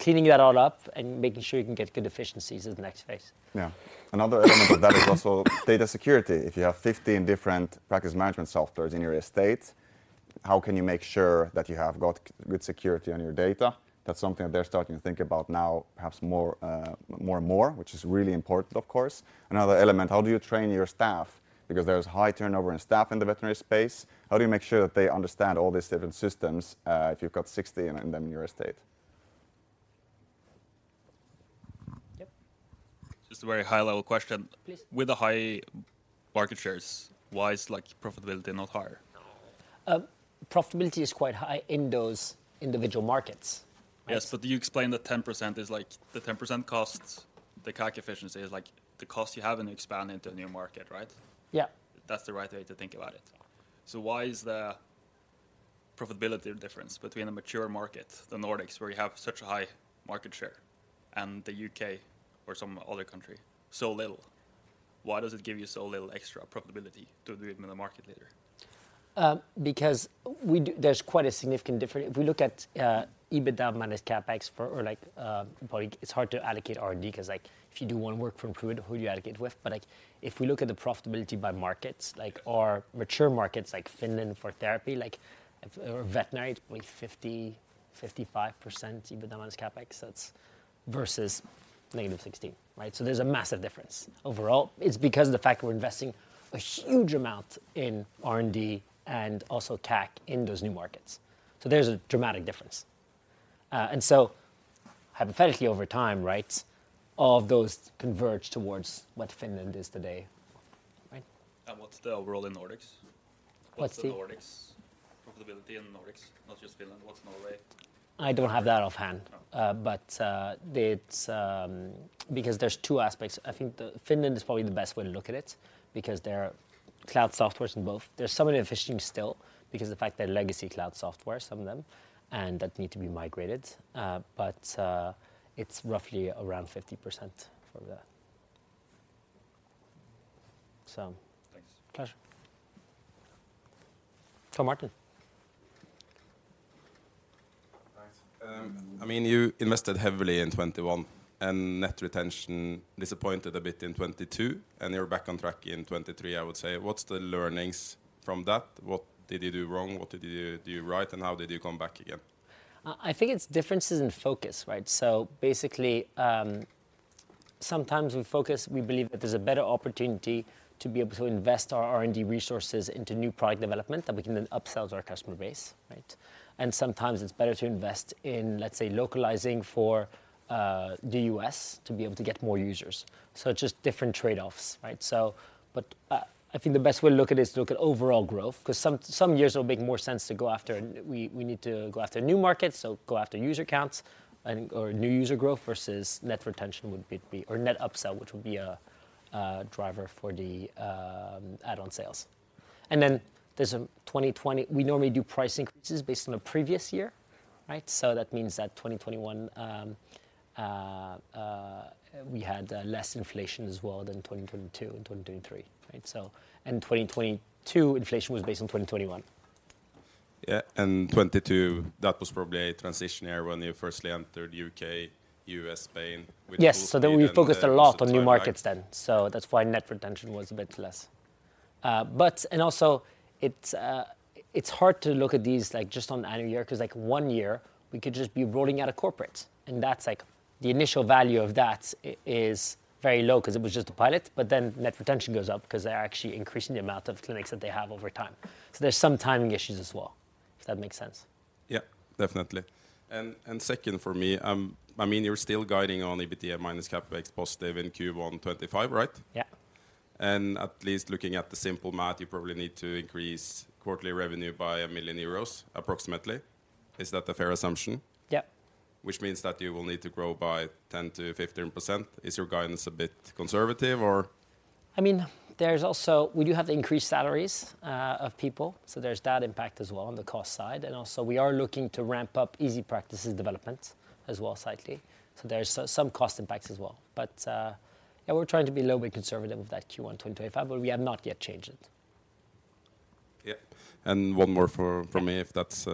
cleaning that all up and making sure you can get good efficiencies is the next phase.
Yeah. Another element of that is also data security. If you have 15 different practice management softwares in your estate, how can you make sure that you have got good security on your data? That's something that they're starting to think about now, perhaps more, more and more, which is really important, of course. Another element, how do you train your staff? Because there's high turnover in staff in the veterinary space. How do you make sure that they understand all these different systems, if you've got 16 of them in your estate?
Yep.
Just a very high-level question.
Please.
With the high market shares, why is, like, profitability not higher?
Profitability is quite high in those individual markets.
Yes, but do you explain the 10% is like... The 10% costs, the CAC efficiency is like the cost you have when you expand into a new market, right?
Yeah.
That's the right way to think about it?
Yeah.
Why is the profitability difference between a mature market, the Nordics, where you have such a high market share, and the UK or some other country, so little? Why does it give you so little extra profitability to be the market leader?
Because there's quite a significant difference. If we look at EBITDA minus CapEx for, or like, probably it's hard to allocate R&D because, like, if you do one work from who, who do you allocate it with? But, like, if we look at the profitability by markets, like our mature markets, like Finland, for therapy, like, or veterinary, like 50%-55% EBITDA minus CapEx, that's versus -16%, right? So there's a massive difference overall. It's because of the fact that we're investing a huge amount in R&D and also CAC in those new markets. So there's a dramatic difference. And so hypothetically, over time, right, all of those converge towards what Finland is today, right?
What's the overall in Nordics?
What's the-
What's the Nordics profitability in Nordics? Not just Finland. What's Norway?
I don't have that offhand.
Oh.
But it's because there's two aspects. I think Finland is probably the best way to look at it, because there are cloud softwares in both. There's some inefficiency still because of the fact they're legacy cloud software, some of them, and that need to be migrated, but it's roughly around 50% for the... So.
Thanks.
Pleasure. So Martin.
Thanks. I mean, you invested heavily in 2021, and net retention disappointed a bit in 2022, and you're back on track in 2023, I would say. What's the learnings from that? What did you do wrong, what did you do, do right, and how did you come back again?
I think it's differences in focus, right? So basically, sometimes we focus, we believe that there's a better opportunity to be able to invest our R&D resources into new product development, that we can then upsell to our customer base, right? And sometimes it's better to invest in, let's say, localizing for the U.S. to be able to get more users. So just different trade-offs, right? But I think the best way to look at it is to look at overall growth, 'cause some years it will make more sense to go after we need to go after new markets, so go after user counts and or new user growth versus net retention would be or net upsell, which would be a driver for the add-on sales. We normally do price increases based on the previous year, right? So that means that 2021, we had less inflation as well than 2022 and 2023, right? So, and 2022 inflation was based on 2021.
Yeah, and 2022, that was probably a transition year when you firstly entered U.K., U.S., Spain, which-
Yes. So then we focused a lot on new markets then, so that's why net retention was a bit less. But, and also it's hard to look at these, like, just on annual year, 'cause, like, one year we could just be rolling out a corporate, and that's like, the initial value of that is very low 'cause it was just a pilot, but then net retention goes up 'cause they're actually increasing the amount of clinics that they have over time. So there's some timing issues as well, if that makes sense.
Yeah, definitely. And second for me, I mean, you're still guiding on EBITDA minus CapEx positive in Q1 2025, right?
Yeah.
At least looking at the simple math, you probably need to increase quarterly revenue by 1 million euros, approximately. Is that a fair assumption?
Yeah.
Which means that you will need to grow by 10%-15%. Is your guidance a bit conservative, or?
I mean, there's also we do have the increased salaries of people, so there's that impact as well on the cost side. And also, we are looking to ramp up EasyPractice's development as well, slightly. So there's some cost impacts as well. But, yeah, we're trying to be a little bit conservative with that Q1 2025, but we have not yet changed it.
Yeah. And one more from me, if that's,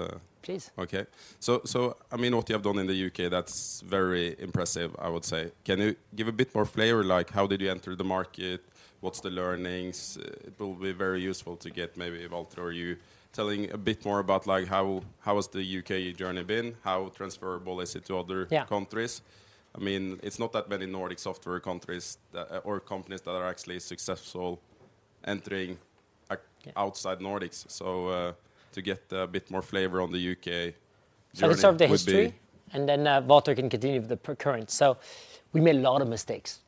Please.
Okay. So, so I mean, what you have done in the U.K., that's very impressive, I would say. Can you give a bit more flavor, like how did you enter the market? What's the learnings? It will be very useful to get maybe Valter or you telling a bit more about, like, how, how has the U.K. journey been? How transferable is it to other-
Yeah...
countries? I mean, it's not that many Nordic software countries that, or companies that are actually successful entering,
Yeah...
outside Nordics. To get a bit more flavor on the U.K. journey would be-
Shall I start with the history, and then Valter can continue with the current? So we made a lot of mistakes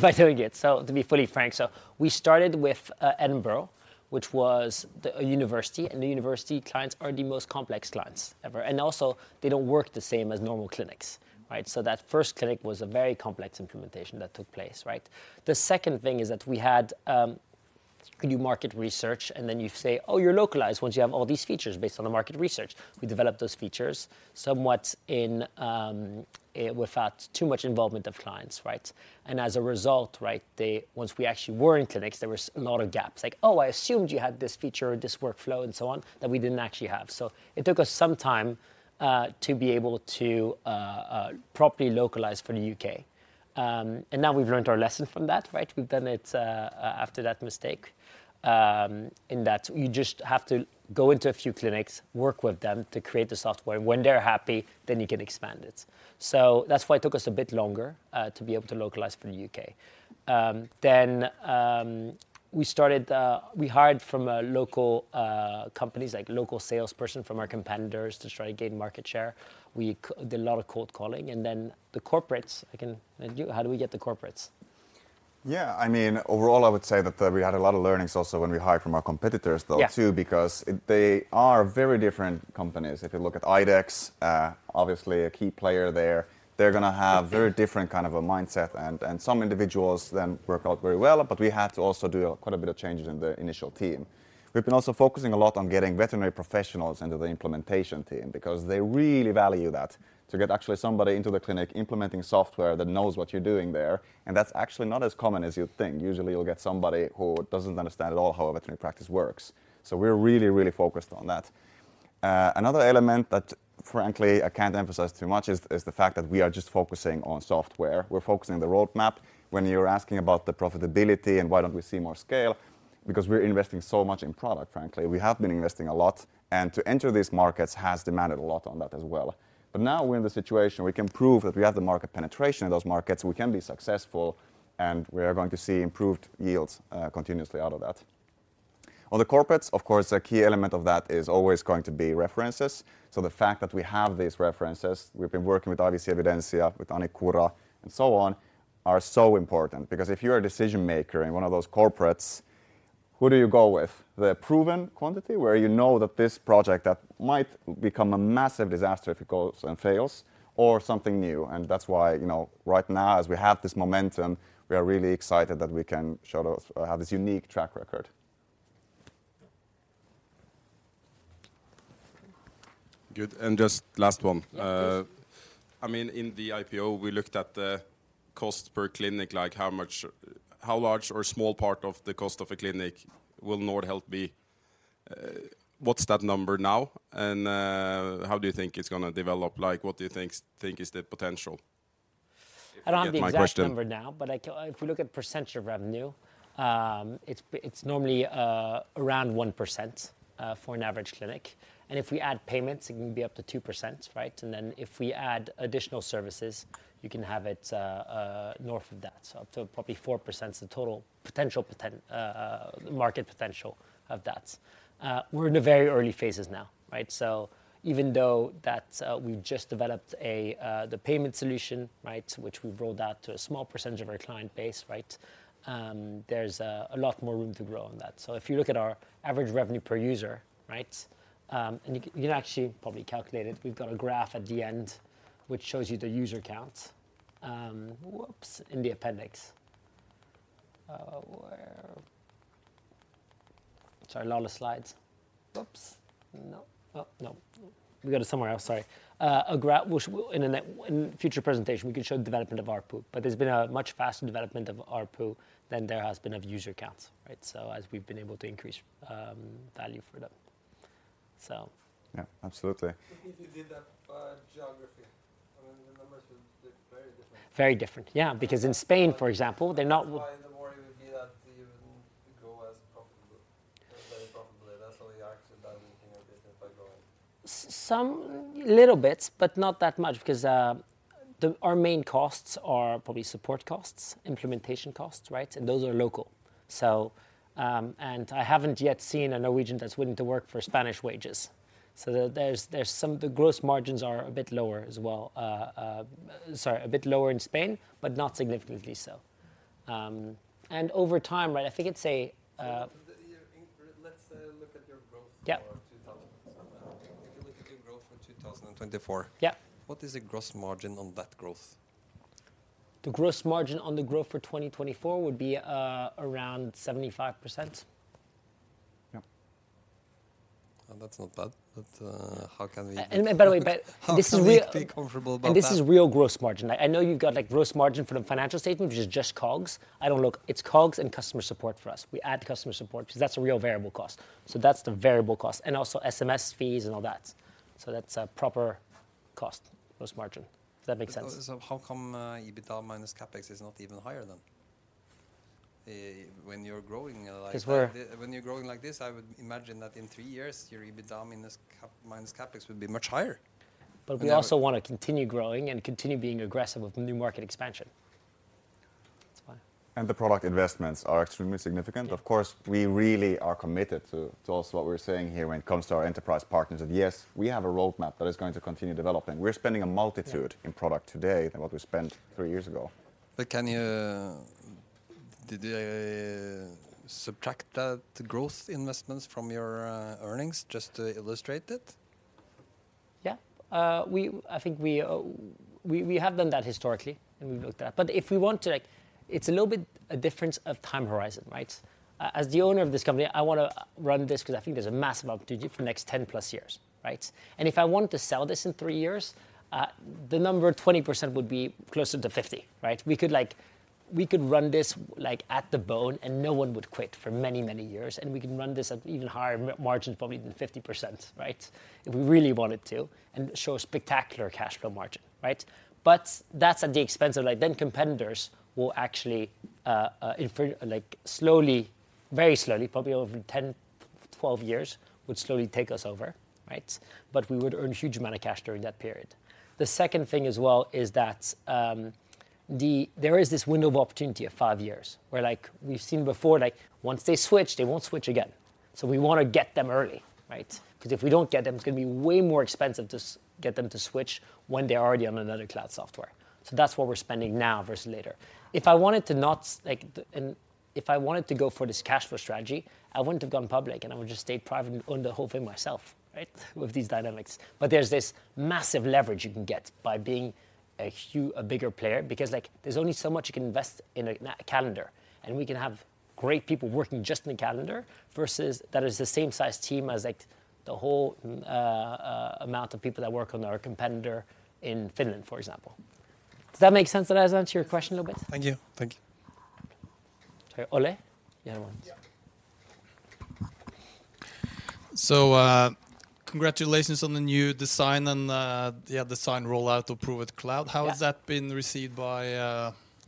by doing it, so to be fully frank. So we started with Edinburgh, which was a university, and the university clients are the most complex clients ever, and also they don't work the same as normal clinics, right? So that first clinic was a very complex implementation that took place, right? The second thing is that we had you do market research, and then you say, "Oh, you're localized," once you have all these features based on the market research. We developed those features somewhat in without too much involvement of clients, right? And as a result, right, once we actually were in clinics, there was a lot of gaps, like, "Oh, I assumed you had this feature or this workflow," and so on, that we didn't actually have. So it took us some time to be able to properly localize for the U.K. And now we've learned our lesson from that, right? We've done it after that mistake. In that you just have to go into a few clinics, work with them to create the software, and when they're happy, then you can expand it. So that's why it took us a bit longer to be able to localize for the U.K. Then we started, we hired from local companies, like a local salesperson from our competitors to try to gain market share. We did a lot of cold calling, and then the corporates, I can... You, how do we get the corporates?
Yeah, I mean, overall, I would say that we had a lot of learnings also when we hired from our competitors, though-
Yeah...
too, because they are very different companies. If you look at IDEXX, obviously a key player there, they're gonna have very different kind of a mindset, and some individuals then work out very well, but we had to also do quite a bit of changes in the initial team. We've been also focusing a lot on getting veterinary professionals into the implementation team because they really value that, to get actually somebody into the clinic implementing software that knows what you're doing there, and that's actually not as common as you'd think. Usually, you'll get somebody who doesn't understand at all how a veterinary practice works. So we're really, really focused on that. Another element that, frankly, I can't emphasize too much is the fact that we are just focusing on software. We're focusing on the roadmap. When you're asking about the profitability and why don't we see more scale, because we're investing so much in product, frankly. We have been investing a lot, and to enter these markets has demanded a lot on that as well. But now we're in the situation we can prove that we have the market penetration in those markets, we can be successful, and we are going to see improved yields continuously out of that. On the corporates, of course, a key element of that is always going to be references. So the fact that we have these references, we've been working with IVC Evidensia, with AniCura, and so on, are so important because if you're a decision-maker in one of those corporates, who do you go with? The proven quantity, where you know that this project that might become a massive disaster if it goes and fails, or something new? And that's why, you know, right now, as we have this momentum, we are really excited that we can show those, have this unique track record.
Good, and just last one.
Yeah, please.
I mean, in the IPO, we looked at the cost per clinic, like how much, how large or small part of the cost of a clinic will Nordhealth be? What's that number now, and how do you think it's gonna develop? Like, what do you think is the potential, if I get my question?
I don't have the exact number now, but if we look at percentage of revenue, it's normally around 1%, for an average clinic, and if we add payments, it can be up to 2%, right? And then if we add additional services, you can have it north of that. So up to probably 4% is the total potential market potential of that. We're in the very early phases now, right? So even though that we've just developed the payment solution, right, which we've rolled out to a small percentage of our client base, right? There's a lot more room to grow on that. So if you look at our average revenue per user, right, and you can actually probably calculate it. We've got a graph at the end which shows you the user count in the appendix. Sorry, a lot of slides. No, we go to somewhere else, sorry. In future presentation, we can show the development of ARPU, but there's been a much faster development of ARPU than there has been of user counts, right? So as we've been able to increase value for them, so yeah, absolutely.
If you did that, geography, I mean, the numbers would look very different.
Very different, yeah, because in Spain, for example, they're not-
That's why the worry would be that you wouldn't grow as profitably, very profitably. That's why you actually balancing your business by growing.
Some little bits, but not that much, because our main costs are probably support costs, implementation costs, right? And those are local. So, and I haven't yet seen a Norwegian that's willing to work for Spanish wages. So there's some... The gross margins are a bit lower as well. Sorry, a bit lower in Spain, but not significantly so. And over time, right, I think it's a
Yeah, let's look at your growth-
Yeah...
for 2000-something. If you look at your growth for 2024-
Yeah.
What is the gross margin on that growth?
The gross margin on the growth for 2024 would be around 75%.
Yeah. Well, that's not bad, but, how can we-
And by the way, but this is real-
How can we be comfortable about that?
This is real gross margin. I, I know you've got, like, gross margin from the financial statement, which is just COGS. I don't look. It's COGS and customer support for us. We add customer support because that's a real variable cost. So that's the variable cost, and also SMS fees and all that. So that's a proper cost, gross margin, if that makes sense.
So how come EBITDA minus CapEx is not even higher than? When you're growing like-
Because we're-...
when you're growing like this, I would imagine that in three years, your EBITDA minus CapEx would be much higher.
But we also want to continue growing and continue being aggressive with new market expansion. That's why.
The product investments are extremely significant.
Yeah.
Of course, we really are committed to also what we're saying here when it comes to our enterprise partners, that yes, we have a roadmap that is going to continue developing. We're spending a multitude-
Yeah
in product today than what we spent three years ago.
But can you, did you subtract the growth investments from your earnings, just to illustrate it?
Yeah. I think we have done that historically, and we've looked at it. But if we want to, like, it's a little bit a difference of time horizon, right? As the owner of this company, I wanna run this because I think there's a massive opportunity for the next 10+ years, right? And if I wanted to sell this in three years, the number 20% would be closer to 50, right? We could, like, we could run this, like, at the bone, and no one would quit for many, many years, and we can run this at even higher margins, probably than 50%, right? If we really wanted to, and show a spectacular cash flow margin, right? But that's at the expense of, like, then competitors will actually infer, like, slowly, very slowly, probably over 10, 12 years, would slowly take us over, right? But we would earn a huge amount of cash during that period. The second thing as well is that there is this window of opportunity of five years, where, like, we've seen before, like, once they switch, they won't switch again. So we want to get them early, right? Because if we don't get them, it's gonna be way more expensive to get them to switch when they're already on another cloud software. So that's what we're spending now versus later. If I wanted to not, like, the, and if I wanted to go for this cash flow strategy, I wouldn't have gone public, and I would just stay private and own the whole thing myself, right? With these dynamics. But there's this massive leverage you can get by being a bigger player, because, like, there's only so much you can invest in a calendar. And we can have great people working just in the calendar, versus that is the same size team as, like, the whole amount of people that work on our competitor in Finland, for example. Does that make sense, and does that answer your question a little bit?
Thank you. Thank you.
Ole? You had one.
Yeah. So, congratulations on the new design and, yeah, design rollout to Provet Cloud.
Yeah.
How has that been received by,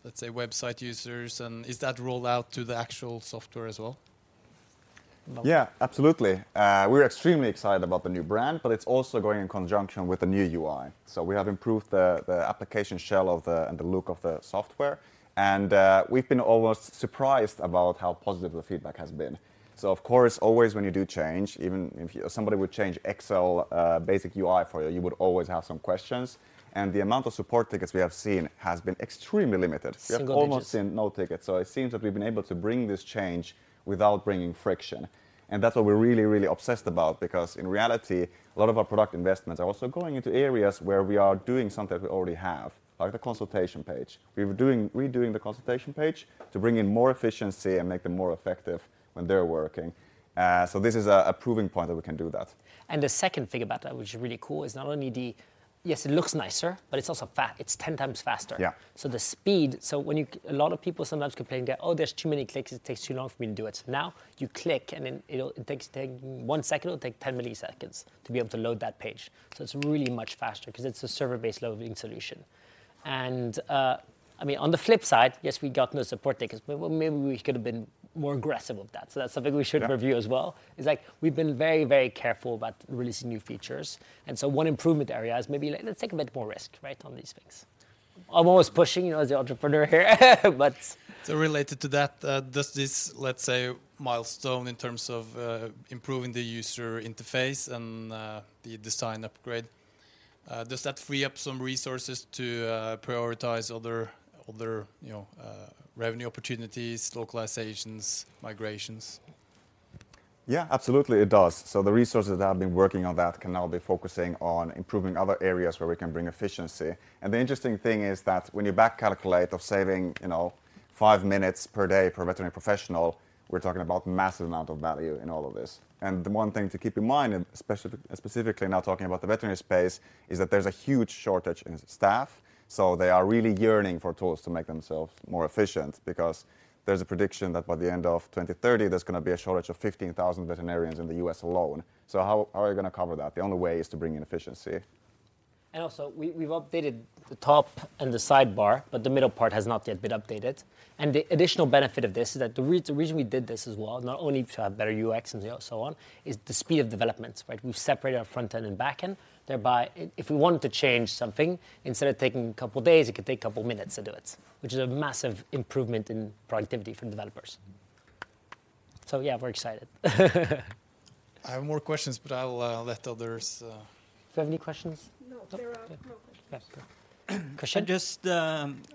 let's say, website users, and is that rolled out to the actual software as well?
Yeah, absolutely. We're extremely excited about the new brand, but it's also going in conjunction with the new UI. So we have improved the application shell and the look of the software, and we've been almost surprised about how positive the feedback has been. So of course, always when you do change, even if somebody would change Excel basic UI for you, you would always have some questions. And the amount of support tickets we have seen has been extremely limited.
Single digits.
We have almost seen no tickets, so it seems that we've been able to bring this change without bringing friction, and that's what we're really, really obsessed about, because in reality, a lot of our product investments are also going into areas where we are doing something we already have, like the consultation page. We were redoing the consultation page to bring in more efficiency and make them more effective when they're working. So this is a proving point that we can do that.
The second thing about that, which is really cool, is not only the... Yes, it looks nicer, but it's also fast. It's 10 times faster.
Yeah.
A lot of people sometimes complain that, "Oh, there's too many clicks, it takes too long for me to do it." Now, you click, and then it'll take one second, or it'll take 10 milliseconds to be able to load that page. So it's really much faster because it's a server-based loading solution. And, I mean, on the flip side, yes, we got no support tickets, but well, maybe we could have been more aggressive with that. So that's something.
Sure...
we should review as well, is like we've been very, very careful about releasing new features, and so one improvement area is maybe let's take a bit more risk, right, on these things. I'm always pushing, you know, as the entrepreneur here, but-
So related to that, does this, let's say, milestone in terms of improving the user interface and the design upgrade, does that free up some resources to prioritize other, you know, revenue opportunities, localizations, migrations?
Yeah, absolutely it does. So the resources that have been working on that can now be focusing on improving other areas where we can bring efficiency. And the interesting thing is that when you back calculate of saving, you know, five minutes per day per veterinary professional, we're talking about massive amount of value in all of this. And the one thing to keep in mind, and especially, specifically now talking about the veterinary space, is that there's a huge shortage in staff, so they are really yearning for tools to make themselves more efficient, because there's a prediction that by the end of 2030, there's gonna be a shortage of 15,000 veterinarians in the U.S. alone. So how, how are you gonna cover that? The only way is to bring in efficiency....
and also we've updated the top and the sidebar, but the middle part has not yet been updated. And the additional benefit of this is that the reason we did this as well, not only to have better UX and so on, is the speed of development, right? We've separated our front end and back end, thereby, if we wanted to change something, instead of taking a couple of days, it could take a couple of minutes to do it, which is a massive improvement in productivity for developers. So yeah, we're excited.
I have more questions, but I'll let others-
Do you have any questions?
No, there are no questions.
Yeah. Good. Question?
Just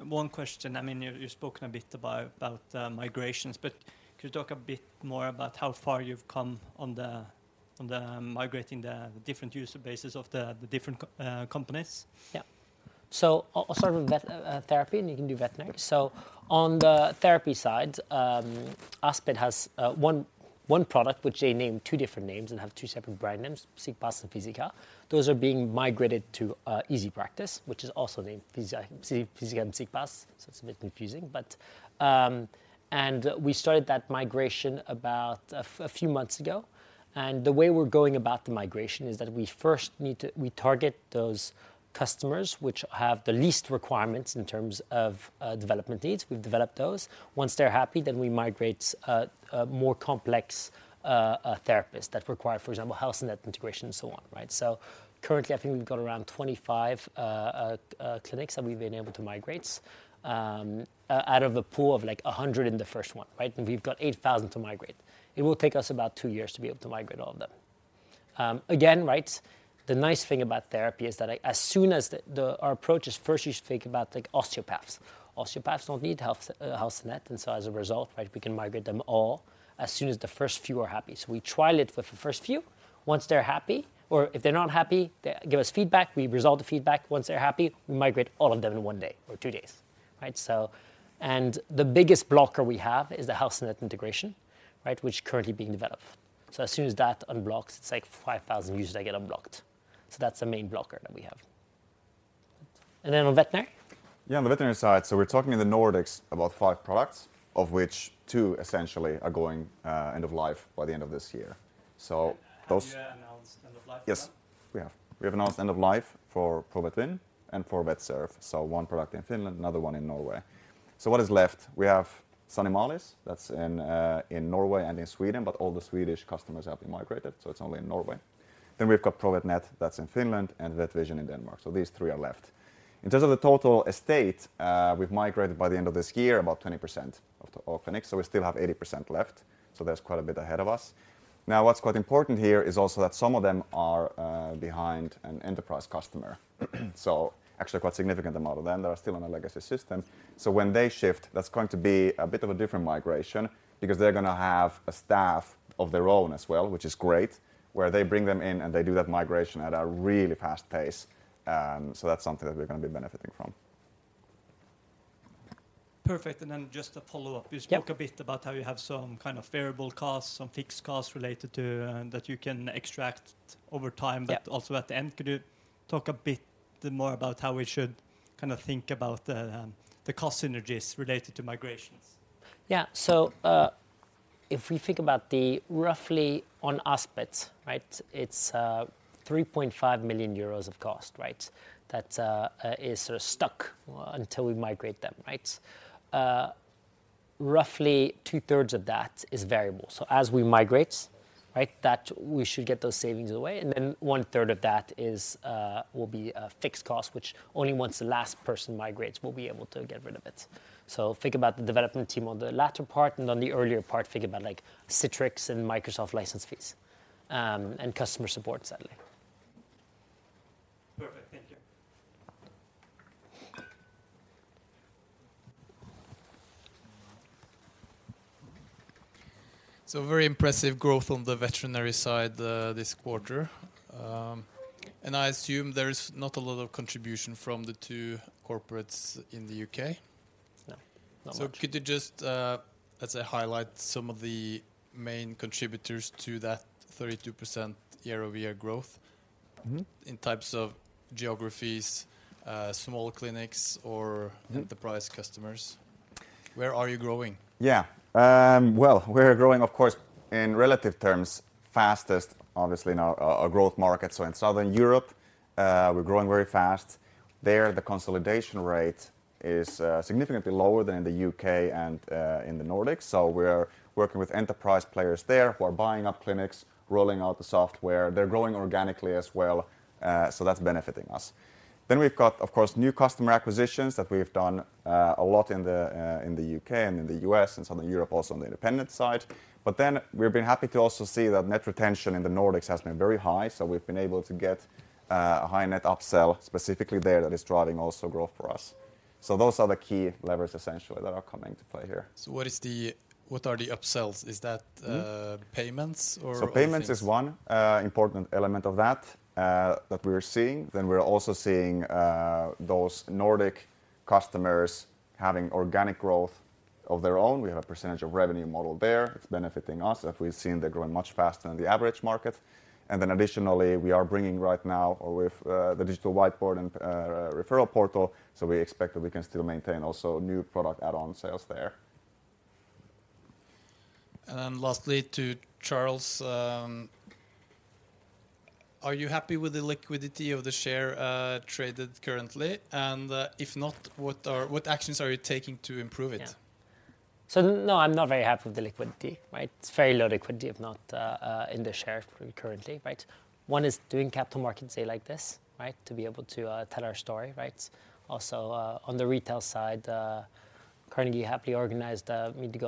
one question. I mean, you've spoken a bit about migrations, but could you talk a bit more about how far you've come on migrating the different user bases of the different companies?
Yeah. So I'll start with therapy, and you can do veterinary. So on the therapy side, Aspit has one, one product which they named two different names and have two separate brand names, Psykbase and Physica. Those are being migrated to EasyPractice, which is also named Physica and Psykbase, so it's a bit confusing. But. And we started that migration about a few months ago, and the way we're going about the migration is that we first need to target those customers which have the least requirements in terms of development needs. We've developed those. Once they're happy, then we migrate a more complex therapist that require, for example, Helsenett integration and so on, right? So currently, I think we've got around 25 clinics that we've been able to migrate out of a pool of, like, 100 in the first one, right? And we've got 8,000 to migrate. It will take us about two years to be able to migrate all of them. Again, right, the nice thing about therapy is that as soon as the, the... Our approach is first, you should think about, like, osteopaths. Osteopaths don't need Helsenett, and so as a result, right, we can migrate them all as soon as the first few are happy. So we trial it with the first few. Once they're happy, or if they're not happy, they give us feedback, we resolve the feedback. Once they're happy, we migrate all of them in one day or two days, right? So, and the biggest blocker we have is the HelseNett integration, right, which is currently being developed. So as soon as that unblocks, it's like 5,000 users that get unblocked. So that's the main blocker that we have. And then on veterinary?
Yeah, on the veterinary side, so we're talking in the Nordics about five products, of which two essentially are going, end of life by the end of this year. So those-
Have you announced end of life yet?
Yes, we have. We have announced end of life for Provet Win and for VetServe. So one product in Finland, another one in Norway. So what is left? We have Sanimalis, that's in, in Norway and in Sweden, but all the Swedish customers have been migrated, so it's only in Norway. Then we've got Provet Net, that's in Finland, and Vetvision in Denmark. So these three are left. In terms of the total estate, we've migrated by the end of this year, about 20% of all clinics, so we still have 80% left. So there's quite a bit ahead of us. Now, what's quite important here is also that some of them are, behind an enterprise customer. So actually quite significant amount of them, they are still on a legacy system. When they shift, that's going to be a bit of a different migration because they're gonna have a staff of their own as well, which is great, where they bring them in, and they do that migration at a really fast pace. That's something that we're gonna be benefiting from.
Perfect, and then just a follow-up.
Yeah.
You spoke a bit about how you have some kind of variable costs, some fixed costs related to, that you can extract over time-
Yeah...
but also at the end, could you talk a bit more about how we should kind of think about the cost synergies related to migrations?
Yeah. So, if we think about the roughly on Aspit, right, it's 3.5 million euros of cost, right? That is sort of stuck until we migrate thm, right? 2/3 of that is variable. So as we migrate, right, that we should get those savings away, and then 1/3 of that is will be a fixed cost, which only once the last person migrates, we'll be able to get rid of it. So think about the development team on the latter part, and on the earlier part, think about like Citrix and Microsoft license fees, and customer support, sadly.
Perfect. Thank you.
So very impressive growth on the veterinary side, this quarter. And I assume there is not a lot of contribution from the two corporates in the U.K.?
No, not much.
Could you just, as I highlight some of the main contributors to that 32% year-over-year growth-
Mm-hmm...
in types of geographies, small clinics or-
Mm...
enterprise customers. Where are you growing?
Yeah. Well, we're growing, of course, in relative terms, fastest, obviously, in our growth market. So in Southern Europe, we're growing very fast. There, the consolidation rate is significantly lower than in the U.K. and in the Nordics. So we're working with enterprise players there who are buying up clinics, rolling out the software. They're growing organically as well, so that's benefiting us. Then we've got, of course, new customer acquisitions that we've done a lot in the U.K. and in the U.S. and Southern Europe, also on the independent side. But then we've been happy to also see that net retention in the Nordics has been very high, so we've been able to get a high net upsell specifically there that is driving also growth for us. Those are the key levers, essentially, that are coming to play here.
So what are the upsells? Is that,
Mm...
payments or things?
So payments is one important element of that that we're seeing. Then we're also seeing those Nordic customers having organic growth of their own. We have a percentage of revenue model there. It's benefiting us, as we've seen they're growing much faster than the average market. And then additionally, we are bringing right now with the digital whiteboard and referral portal, so we expect that we can still maintain also new product add-on sales there.
And then lastly to Charles, are you happy with the liquidity of the share traded currently? And, if not, what actions are you taking to improve it?
Yeah. So no, I'm not very happy with the liquidity, right? It's very low liquidity, if not, in the share currently, right? One is doing capital markets day like this, right? To be able to tell our story, right? Also, on the retail side, Carnegie happily organized a meeting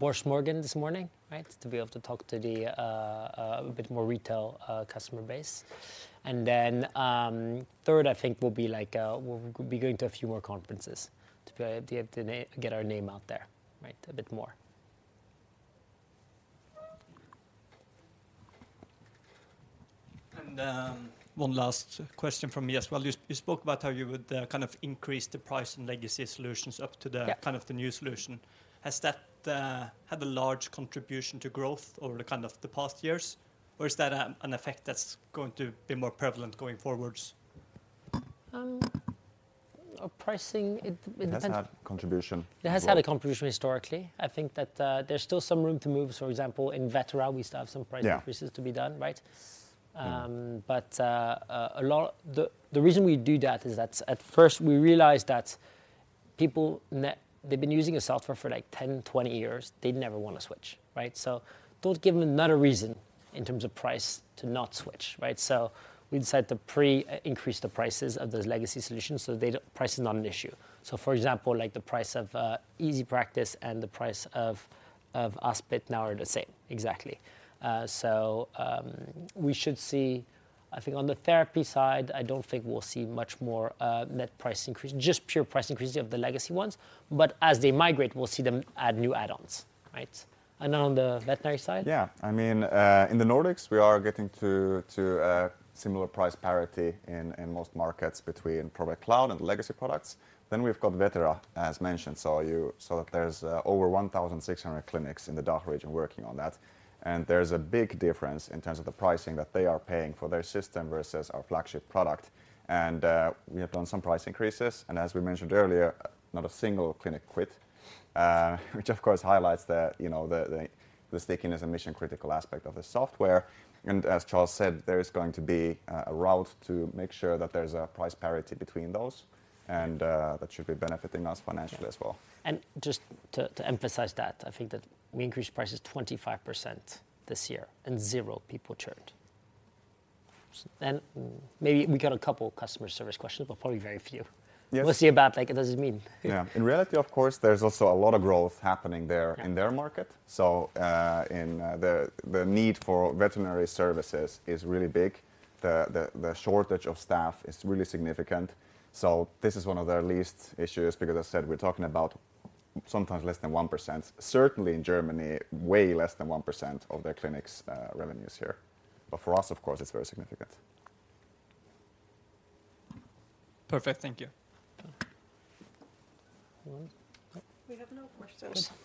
on the [Morgan this morning, right? To be able to talk to the a bit more retail customer base. And then, third, I think will be like, we'll be going to a few more conferences to be able to get our name out there, right, a bit more.
One last question from me as well. You spoke about how you would kind of increase the price in legacy solutions up to the-
Yeah...
kind of the new solution. Has that had a large contribution to growth over the, kind of the past years, or is that an effect that's going to be more prevalent going forwards?
Our pricing, it depends-
It has had contribution.
It has had a contribution historically. I think that, there's still some room to move. So for example, in Vetera, we still have some price increases-
Yeah...
to be done, right?
Mm.
But the reason we do that is that at first, we realized that people they've been using a software for, like, 10, 20 years, they'd never wanna switch, right? So don't give them another reason in terms of price to not switch, right? So we decided to pre-increase the prices of those legacy solutions so data price is not an issue. So for example, like the price of EasyPractice and the price of Aspit now are the same exactly. So we should see... I think on the therapy side, I don't think we'll see much more net price increase, just pure price increases of the legacy ones. But as they migrate, we'll see them add new add-ons, right? And on the veterinary side?
Yeah. I mean, in the Nordics, we are getting to similar price parity in most markets between Provet Cloud and legacy products. Then we've got Vetera, as mentioned. So there's over 1,600 clinics in the DACH region working on that, and there's a big difference in terms of the pricing that they are paying for their system versus our flagship product. And we have done some price increases, and as we mentioned earlier, not a single clinic quit, which of course highlights you know the stickiness and mission-critical aspect of the software. And as Charles said, there is going to be a route to make sure that there's a price parity between those, and that should be benefiting us financially as well.
Just to emphasize that, I think that we increased prices 25% this year, and zero people churned. Maybe we got a couple customer service questions, but probably very few.
Yes.
We'll see about, like, it doesn't mean.
Yeah. In reality, of course, there's also a lot of growth happening there-
Yeah...
in their market. The need for veterinary services is really big. The shortage of staff is really significant, so this is one of their least issues because as I said, we're talking about sometimes less than 1%. Certainly in Germany, way less than 1% of their clinics' revenues here. But for us, of course, it's very significant.
Perfect. Thank you.
Well...
We have no more questions.